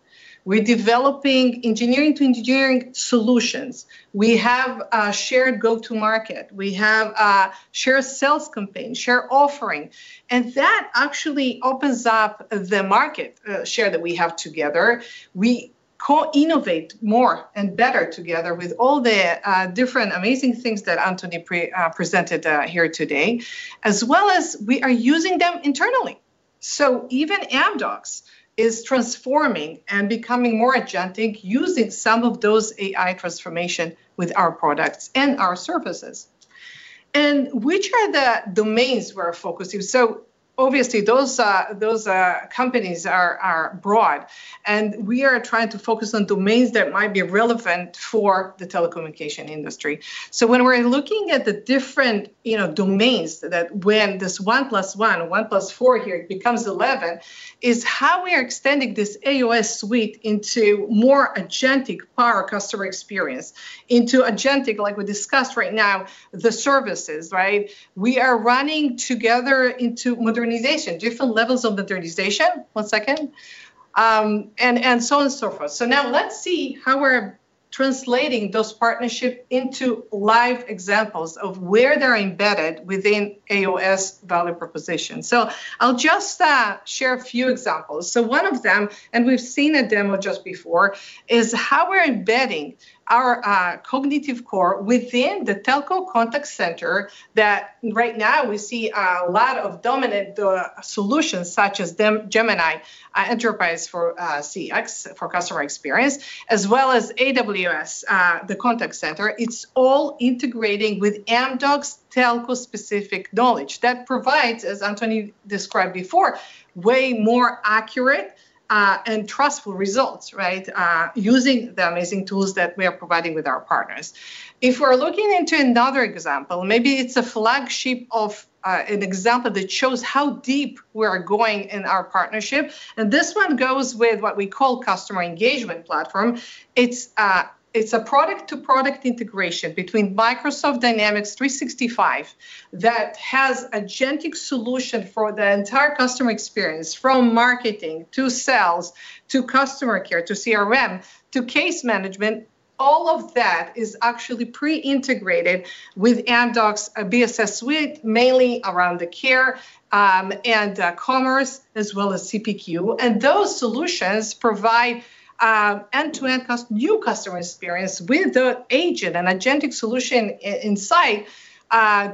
We're developing engineering to engineering solutions. We have a shared go-to-market. We have a shared sales campaign, shared offering, and that actually opens up the market share that we have together. We co-innovate more and better together with all the different amazing things that Anthony presented here today, as well as we are using them internally. Even Amdocs is transforming and becoming more agentic using some of those AI transformation with our products and our services. Which are the domains we're focusing? Obviously those companies are broad and we are trying to focus on domains that might be relevant for the telecommunication industry. When we're looking at the different, you know, domains that when this 1+1+4 here becomes 11, is how we are extending this aOS suite into more agentic power customer experience into agentic like we discussed right now, the services, right? We are running together into modernization, different levels of modernization, and so on and so forth. Now let's see how we're translating those partnership into live examples of where they're embedded within aOS value proposition. I'll just share a few examples. One of them, and we've seen a demo just before, is how we're embedding our Cognitive Core within the telco contact center that right now we see a lot of dominant solutions such as Gemini Enterprise for CX for customer experience, as well as AWS the contact center. It's all integrating with Amdocs telco specific knowledge that provides, as Anthony described before, way more accurate, and trustful results, right? Using the amazing tools that we are providing with our partners. If we're looking into another example, maybe it's a flagship of, an example that shows how deep we are going in our partnership, and this one goes with what we call Customer Engagement Platform. It's a product to product integration between Microsoft Dynamics 365 that has agentic solution for the entire customer experience from marketing to sales to customer care to CRM to case management. All of that is actually pre-integrated with Amdocs BSS Suite mainly around the care, and, commerce as well as CPQ. Those solutions provide end-to-end new customer experience with the agent and agentic solution inside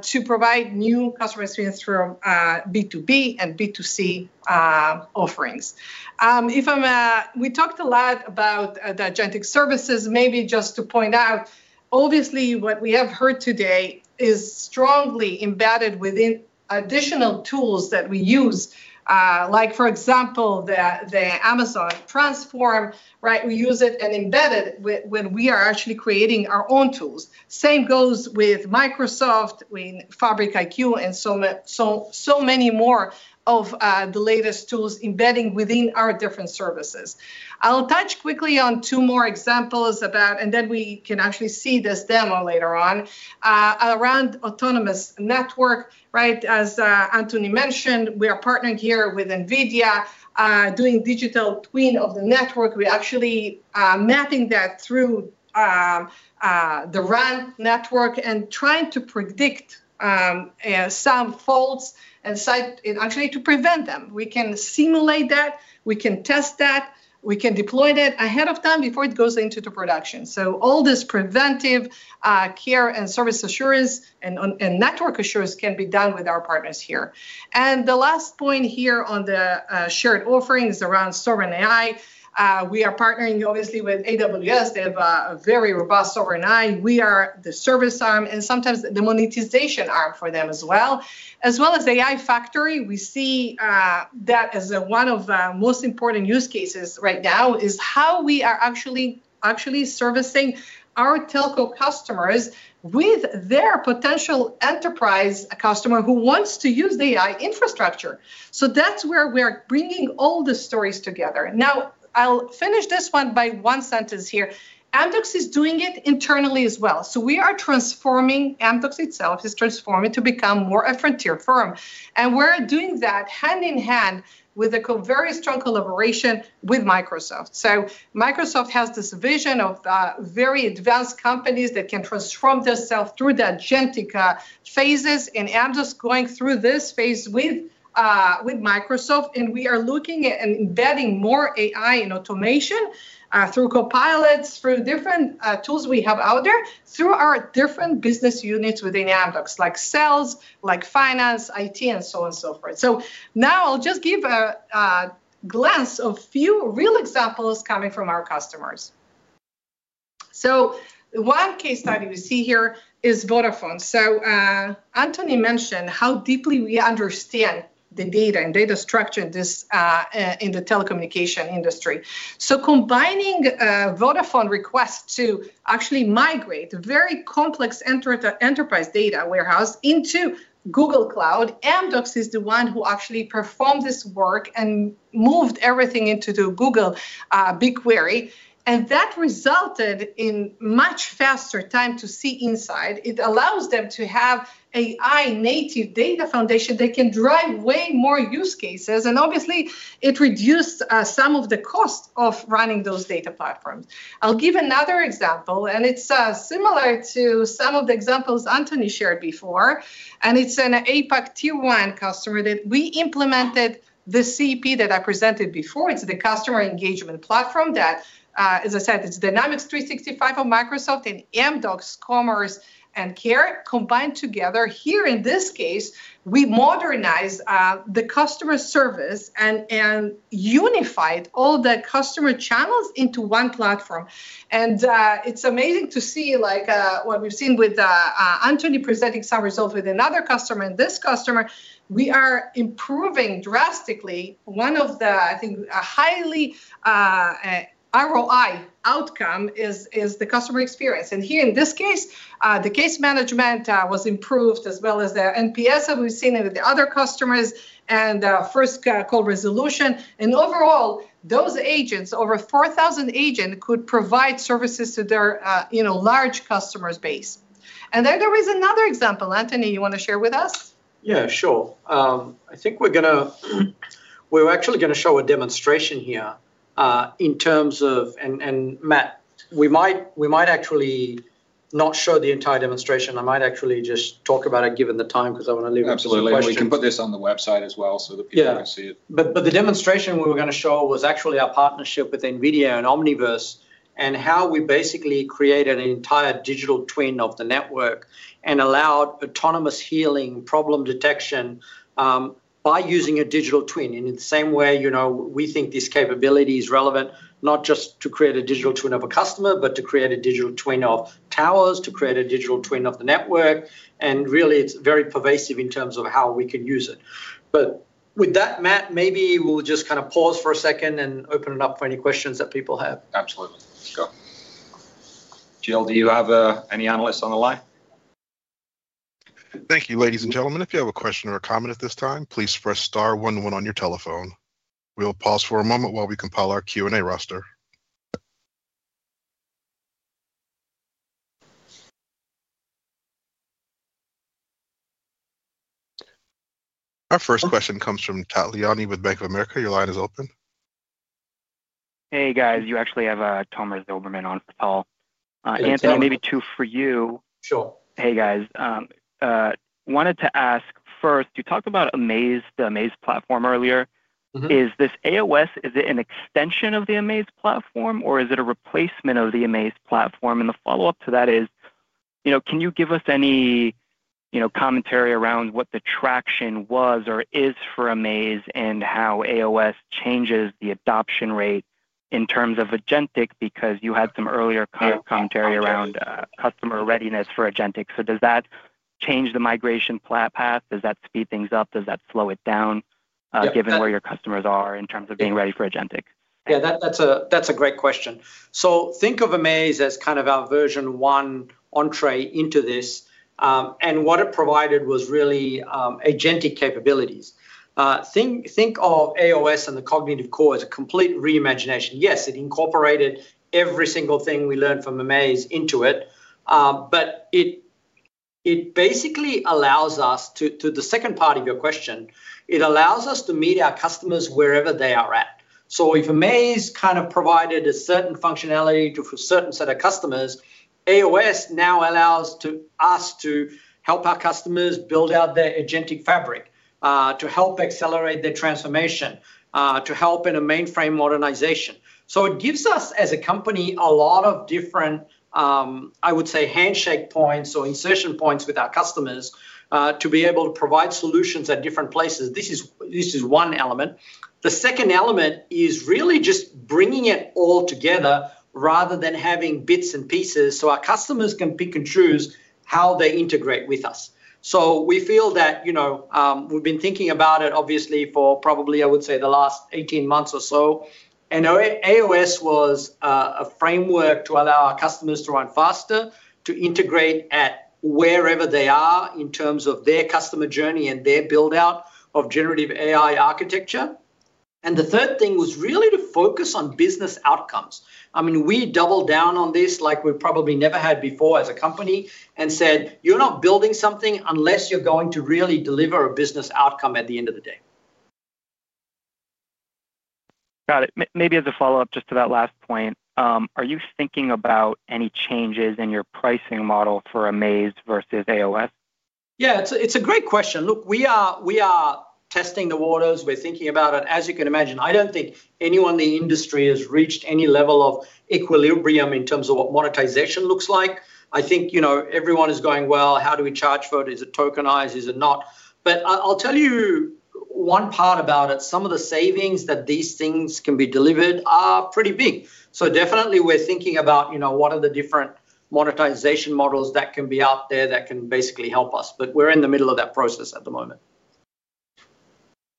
to provide new customer experience through B2B and B2C offerings. We talked a lot about the agentic services. Maybe just to point out, obviously what we have heard today is strongly embedded within additional tools that we use, like for example, the Amazon Q Developer Transform, right? We use it and embed it when we are actually creating our own tools. Same goes with Microsoft Fabric and so many more of the latest tools embedding within our different services. I'll touch quickly on two more examples, and then we can actually see this demo later on around autonomous network, right? As Anthony mentioned, we are partnering here with NVIDIA, doing digital twin of the network. We're actually mapping that through the RAN network and trying to predict some faults and actually to prevent them. We can simulate that, we can test that, we can deploy that ahead of time before it goes into the production. So all this preventive care and service assurance and network assurance can be done with our partners here. The last point here on the shared offerings around Sovereign AI, we are partnering obviously with AWS. They have a very robust Sovereign AI. We are the service arm and sometimes the monetization arm for them as well. As well as AI Factory, we see that as one of the most important use cases right now is how we are actually servicing our telco customers with their potential enterprise customer who wants to use the AI infrastructure. That's where we're bringing all the stories together. Now, I'll finish this in one sentence here. Amdocs is doing it internally as well. We are transforming, Amdocs itself is transforming to become more a frontier firm, and we're doing that hand-in-hand with a very strong collaboration with Microsoft. Microsoft has this vision of very advanced companies that can transform theirself through the agentic phases, and Amdocs going through this phase with Microsoft, and we are looking at embedding more AI and automation through copilots, through different tools we have out there, through our different business units within Amdocs, like sales, like finance, IT and so on and so forth. Now I'll just give a glance of few real examples coming from our customers. One case study we see here is Vodafone. Anthony mentioned how deeply we understand the data and data structure this in the telecommunication industry. Combining a Vodafone request to actually migrate very complex enterprise data warehouse into Google Cloud, Amdocs is the one who actually performed this work and moved everything into the Google BigQuery, and that resulted in much faster time to insight. It allows them to have AI native data foundation that can drive way more use cases, and obviously it reduced some of the cost of running those data platforms. I'll give another example, and it's similar to some of the examples Anthony shared before, and it's an APAC tier one customer that we implemented the CP that I presented before. It's the customer engagement platform that, as I said, it's Dynamics 365 of Microsoft and Amdocs Commerce and Care combined together. Here in this case, we modernized the customer service and unified all the customer channels into one platform. It's amazing to see like what we've seen with Anthony presenting some results with another customer and this customer. We are improving drastically. One of the, I think, high ROI outcome is the customer experience. Here in this case, the case management was improved as well as their NPS that we've seen with the other customers and first call resolution. Overall, those agents, over 4,000 agents could provide services to their you know large customer base. Then there is another example. Anthony, you wanna share with us? Yeah, sure. I think we're actually gonna show a demonstration here. Matt, we might actually not show the entire demonstration. I might actually just talk about it given the time, 'cause I wanna leave room for some questions. Absolutely. We can put this on the website as well, so the people can see it. The demonstration we were gonna show was actually our partnership with NVIDIA and Omniverse, and how we basically created an entire digital twin of the network and allowed autonomous healing problem detection by using a digital twin. In the same way, you know, we think this capability is relevant not just to create a digital twin of a customer, but to create a digital twin of towers, to create a digital twin of the network, and really it's very pervasive in terms of how we can use it. With that, Matt, maybe we'll just kinda pause for a second and open it up for any questions that people have. Absolutely. Let's go. Jill, do you have any analysts on the line? Thank you, ladies and gentlemen. If you have a question or a comment at this time, please press star one one on your telephone. We'll pause for a moment while we compile our Q&A roster. Our first question comes from Tal Liani with Bank of America. Your line is open. Hey, guys. You actually have, Tomer Zilberman on the call. Hey, Tom. Anthony, maybe two for you. Sure. Hey, guys. Wanted to ask, first, you talked about amAIz, the amAIz platform earlier. Mm-hmm. Is this aOS, is it an extension of the amAIz platform or is it a replacement of the amAIz platform? The follow-up to that is, you know, can you give us any, you know, commentary around what the traction was or is for amAIz and how aOS changes the adoption rate in terms of agentic, because you had some earlier key commentary around customer readiness for agentic. Does that change the migration path? Does that speed things up? Does that slow it down, given where your customers are in terms of being ready for agentic? Yeah, that's a great question. Think of amAIz as kind of our version one entrée into this. What it provided was really agentic capabilities. Think of aOS and the Cognitive Core as a complete re-imagination. Yes, it incorporated every single thing we learned from amAIz into it, but it basically allows us to the second part of your question. It allows us to meet our customers wherever they are at. If amAIz kind of provided a certain functionality for certain set of customers, aOS now allows us to help our customers build out their agentic fabric to help accelerate their transformation, to help in a mainframe modernization. It gives us, as a company, a lot of different, I would say handshake points or insertion points with our customers, to be able to provide solutions at different places. This is one element. The second element is really just bringing it all together rather than having bits and pieces, so our customers can pick and choose how they integrate with us. We feel that, you know, we've been thinking about it obviously for probably, I would say the last 18 months or so, and aOS was a framework to allow our customers to run faster, to integrate at wherever they are in terms of their customer journey and their build-out of generative AI architecture. The third thing was really to focus on business outcomes. I mean, we doubled down on this like we probably never had before as a company and said, "You're not building something unless you're going to really deliver a business outcome at the end of the day. Got it. Maybe as a follow-up just to that last point, are you thinking about any changes in your pricing model for amAIz versus aOS? Yeah, it's a great question. Look, we are testing the waters. We're thinking about it. As you can imagine, I don't think anyone in the industry has reached any level of equilibrium in terms of what monetization looks like. I think, you know, everyone is going, "Well, how do we charge for it? Is it tokenized? Is it not?" But I'll tell you one part about it. Some of the savings that these things can be delivered are pretty big. Definitely we're thinking about, you know, what are the different monetization models that can be out there that can basically help us, but we're in the middle of that process at the moment.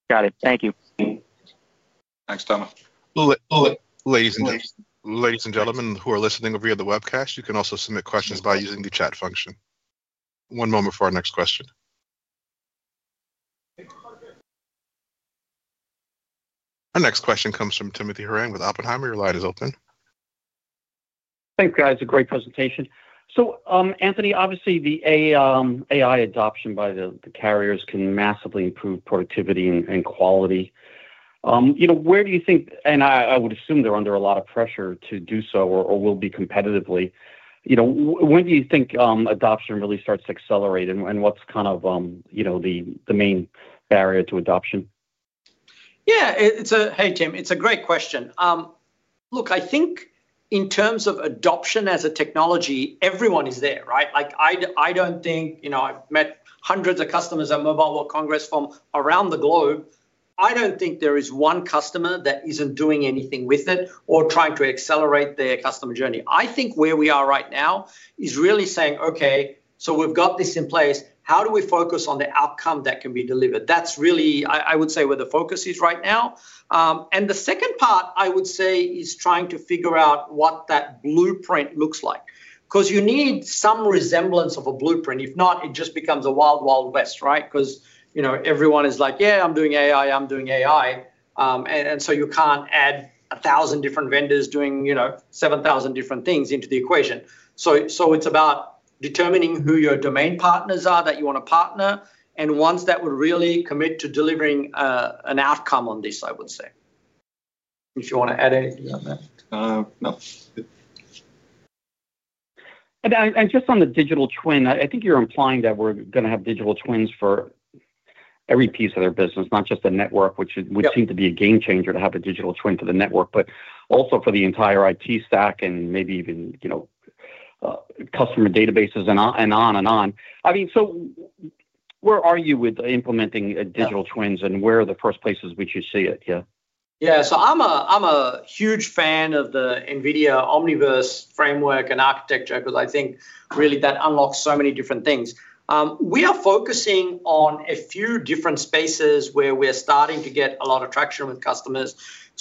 Got it. Thank you. Thanks, Tom. Ladies and gentlemen who are listening via the webcast, you can also submit questions by using the chat function. One moment for our next question. Our next question comes from Timothy Horan with Oppenheimer. Your line is open. Thanks, guys. A great presentation. Anthony, obviously the AI adoption by the carriers can massively improve productivity and quality. You know, where do you think? I would assume they're under a lot of pressure to do so or will be competitively. You know, when do you think adoption really starts to accelerate and what's kind of the main barrier to adoption? Hey, Tim. It's a great question. Look, I think in terms of adoption as a technology, everyone is there, right? Like I don't think, you know, I've met hundreds of customers at Mobile World Congress from around the globe. I don't think there is one customer that isn't doing anything with it or trying to accelerate their customer journey. I think where we are right now is really saying, "Okay, so we've got this in place. How do we focus on the outcome that can be delivered?" That's really, I would say, where the focus is right now. The second part, I would say, is trying to figure out what that blueprint looks like. 'Cause you need some resemblance of a blueprint. If not, it just becomes a Wild Wild West, right? 'Cause, you know, everyone is like, "Yeah, I'm doing AI, I'm doing AI." And so you can't add 1,000 different vendors doing, you know, 7,000 different things into the equation. So it's about determining who your domain partners are that you want to partner, and ones that would really commit to delivering an outcome on this, I would say. If you want to add anything on that. No. Good. Just on the digital twin, I think you're implying that we're gonna have digital twins for every piece of their business, not just the network. Yep Which would seem to be a game changer to have a digital twin for the network, but also for the entire IT stack and maybe even, you know, customer databases and on and on and on. I mean, where are you with implementing digital twins? Yeah Where are the first places which you see it, yeah? Yeah. I'm a huge fan of the NVIDIA Omniverse framework and architecture because I think really that unlocks so many different things. We are focusing on a few different spaces where we're starting to get a lot of traction with customers.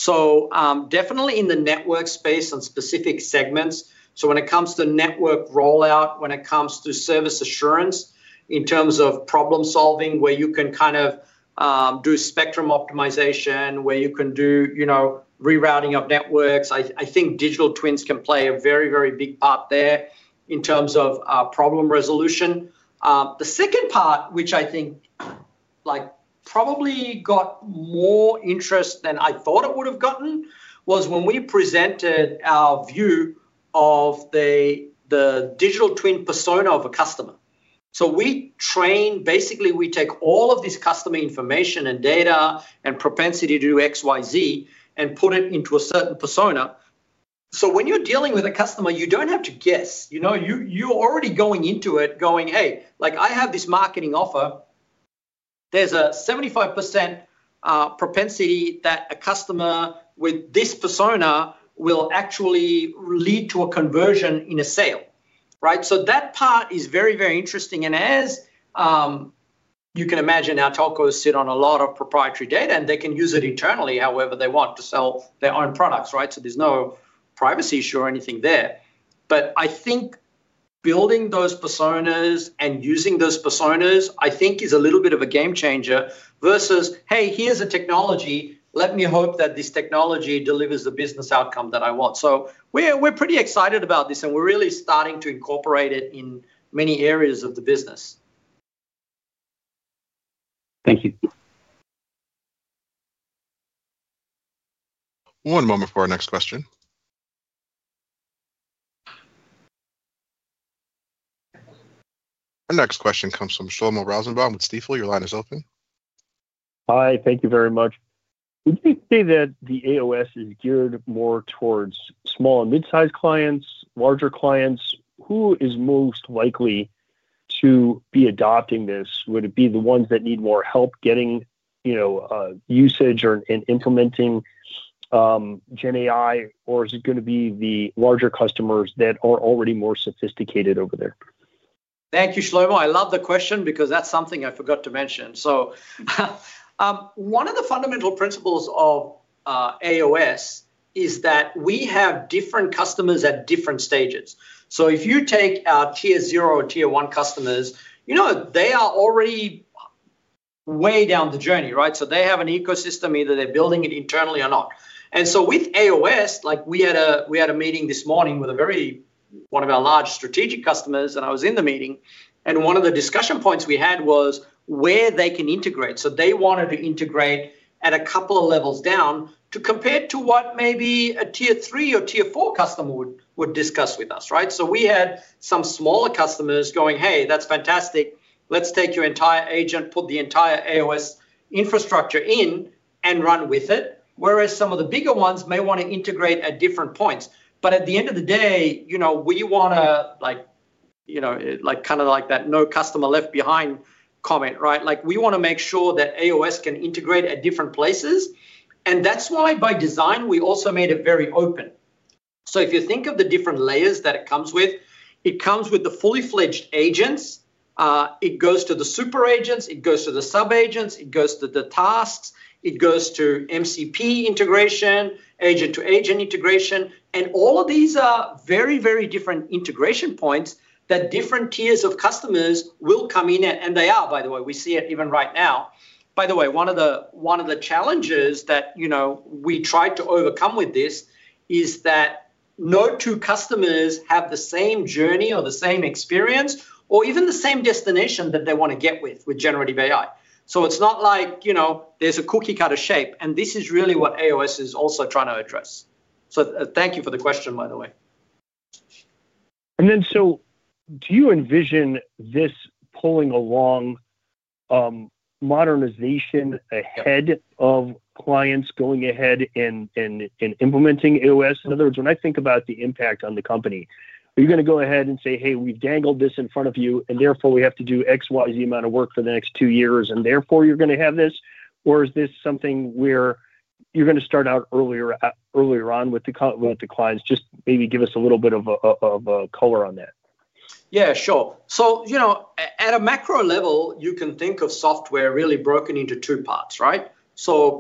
Definitely in the network space on specific segments. When it comes to network rollout, when it comes to service assurance in terms of problem-solving, where you can kind of do spectrum optimization, where you can do, you know, rerouting of networks, I think digital twins can play a very, very big part there in terms of problem resolution. The second part, which I think, like, probably got more interest than I thought it would have gotten, was when we presented our view of the digital twin persona of a customer. We train... Basically, we take all of this customer information and data and propensity to do X, Y, Z and put it into a certain persona. When you're dealing with a customer, you don't have to guess. You know, you're already going into it going, "Hey, like, I have this marketing offer. There's a 75% propensity that a customer with this persona will actually lead to a conversion in a sale." Right? That part is very, very interesting. As you can imagine, our telcos sit on a lot of proprietary data, and they can use it internally however they want to sell their own products, right? There's no privacy issue or anything there. I think building those personas and using those personas is a little bit of a game changer versus, "Hey, here's a technology. Let me hope that this technology delivers the business outcome that I want." We're pretty excited about this, and we're really starting to incorporate it in many areas of the business. Thank you. One moment for our next question. Our next question comes from Shlomo Rosenbaum with Stifel. Your line is open. Hi. Thank you very much. Would you say that the aOS is geared more towards small and mid-sized clients, larger clients? Who is most likely to be adopting this? Would it be the ones that need more help getting, you know, usage or in implementing GenAI, or is it gonna be the larger customers that are already more sophisticated over there? Thank you, Shlomo. I love the question because that's something I forgot to mention. One of the fundamental principles of aOS is that we have different customers at different stages. If you take our tier zero or tier one customers, you know, they are already way down the journey, right? They have an ecosystem, either they're building it internally or not. With aOS, like, we had a meeting this morning with one of our large strategic customers, and I was in the meeting, and one of the discussion points we had was where they can integrate. They wanted to integrate at a couple of levels down to compare to what maybe a tier three or tier four customer would discuss with us, right? We had some smaller customers going, "Hey, that's fantastic. Let's take your entire agent, put the entire aOS infrastructure in and run with it." Whereas some of the bigger ones may wanna integrate at different points. At the end of the day, you know, we wanna, like, you know, like, kind of like that no customer left behind comment, right? Like, we wanna make sure that aOS can integrate at different places, and that's why by design, we also made it very open. If you think of the different layers that it comes with, it comes with the fully fledged agents. It goes to the super agents, it goes to the sub-agents, it goes to the tasks, it goes to MCP integration, agent-to-agent integration, and all of these are very, very different integration points that different tiers of customers will come in, and they are, by the way. We see it even right now. By the way, one of the challenges that, you know, we tried to overcome with this is that no two customers have the same journey or the same experience or even the same destination that they wanna get with generative AI. It's not like, you know, there's a cookie cutter shape, and this is really what AOS is also trying to address. Thank you for the question, by the way. Do you envision this pulling along modernization ahead of clients going ahead and implementing aOS? In other words, when I think about the impact on the company, are you gonna go ahead and say, "Hey, we've dangled this in front of you, and therefore we have to do X, Y, Z amount of work for the next two years, and therefore you're gonna have this"? Or is this something where you're gonna start out earlier on with the clients? Just maybe give us a little bit of color on that. Yeah, sure. You know, at a macro level, you can think of software really broken into two parts, right?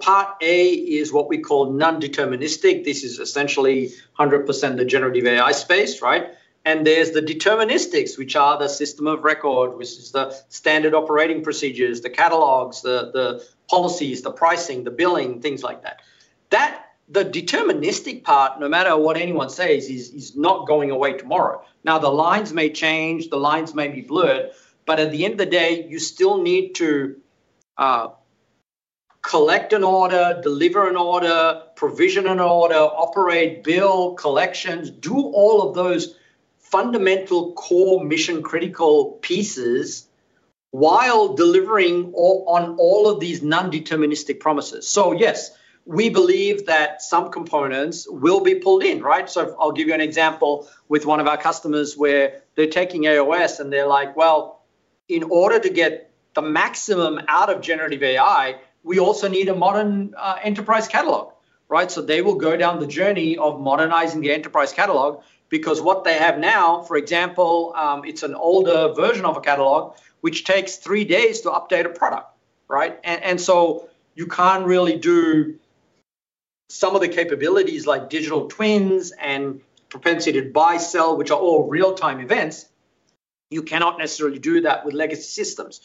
Part A is what we call non-deterministic. This is essentially 100% the generative AI space, right? There's the deterministics, which are the system of record, which is the standard operating procedures, the catalogs, the policies, the pricing, the billing, things like that, the deterministic part, no matter what anyone says, is not going away tomorrow. Now, the lines may change, the lines may be blurred, but at the end of the day, you still need to collect an order, deliver an order, provision an order, operate, bill, collections, do all of those fundamental core mission-critical pieces while delivering all on all of these non-deterministic promises. Yes, we believe that some components will be pulled in, right? I'll give you an example with one of our customers where they're taking aOS, and they're like, "Well, in order to get the maximum out of generative AI, we also need a modern enterprise catalog." Right? They will go down the journey of modernizing the enterprise catalog because what they have now, for example, it's an older version of a catalog, which takes three days to update a product, right? So you can't really do some of the capabilities like digital twins and propensity to buy-sell, which are all real-time events. You cannot necessarily do that with legacy systems.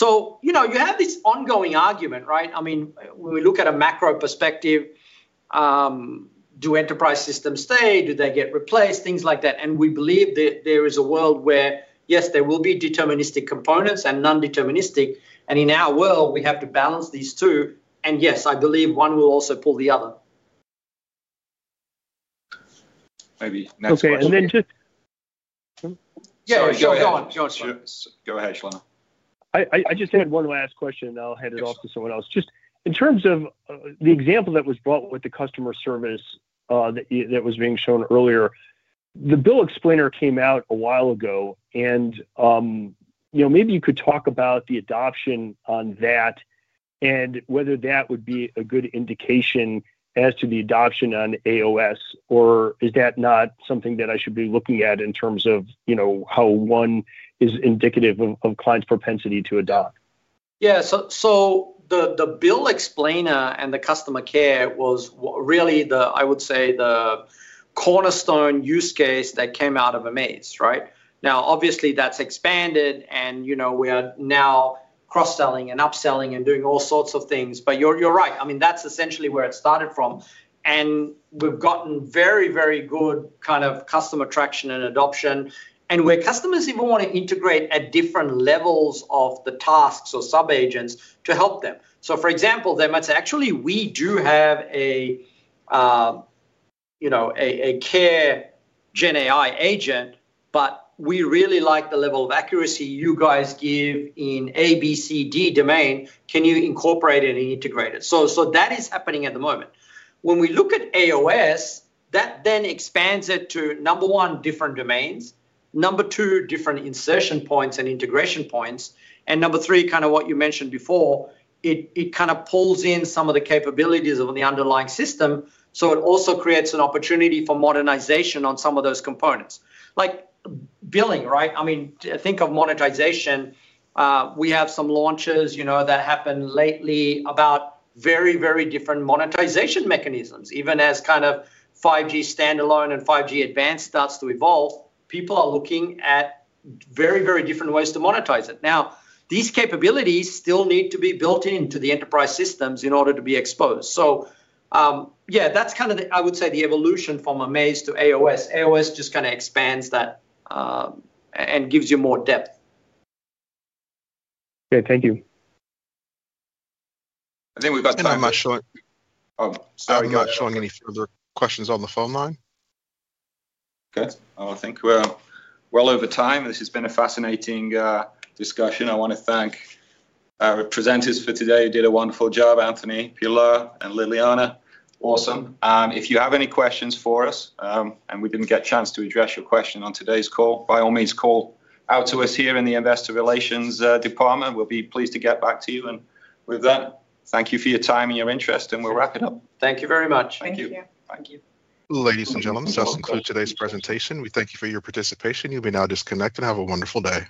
You know, you have this ongoing argument, right? I mean, when we look at a macro perspective, do enterprise systems stay, do they get replaced? Things like that. We believe that there is a world where, yes, there will be deterministic components and non-deterministic, and in our world, we have to balance these two, and yes, I believe one will also pull the other. Maybe next question. Okay, and then to... Yeah. Go on, Josh. Go ahead, Sean. I just had one last question, and I'll hand it off to someone else. Just in terms of the example that was brought with the customer service, that was being shown earlier, the bill explainer came out a while ago, and you know, maybe you could talk about the adoption on that and whether that would be a good indication as to the adoption on AOS or is that not something that I should be looking at in terms of you know, how one is indicative of clients' propensity to adopt? Yeah. So, the bill explainer and the customer care was really, I would say, the cornerstone use case that came out of amAIz, right? Now, obviously, that's expanded and, you know, we are now cross-selling and upselling and doing all sorts of things. But you're right. I mean, that's essentially where it started from, and we've gotten very good kind of customer traction and adoption where customers even wanna integrate at different levels of the tasks or sub-agents to help them. For example, they might say, "Actually, we do have a, you know, a care GenAI agent, but we really like the level of accuracy you guys give in A, B, C, D domain. Can you incorporate it and integrate it?" That is happening at the moment. When we look at aOS, that then expands it to, number one, different domains, number two, different insertion points and integration points, and number three, kinda what you mentioned before, it kinda pulls in some of the capabilities of the underlying system. It also creates an opportunity for modernization on some of those components. Like billing, right? I mean, think of monetization. We have some launches, you know, that happened lately about very, very different monetization mechanisms. Even as kind of 5G standalone and 5G advanced starts to evolve, people are looking at very, very different ways to monetize it. Now, these capabilities still need to be built into the enterprise systems in order to be exposed. Yeah, that's kind of the, I would say, the evolution from amAIz to aOS. aOS just kinda expands that and gives you more depth. Okay, thank you. I think we've got time for. I'm not showing. Oh, sorry. I'm not showing any further questions on the phone line. Okay. I think we're well over time. This has been a fascinating discussion. I wanna thank our presenters for today. You did a wonderful job, Anthony, Pilar, and Liliana. Awesome. If you have any questions for us, and we didn't get a chance to address your question on today's call, by all means, call out to us here in the Investor Relations department. We'll be pleased to get back to you. With that, thank you for your time and your interest, and we'll wrap it up. Thank you very much. Thank you. Thank you. Thank you. Ladies and gentlemen, this concludes today's presentation. We thank you for your participation. You'll be now disconnected. Have a wonderful day.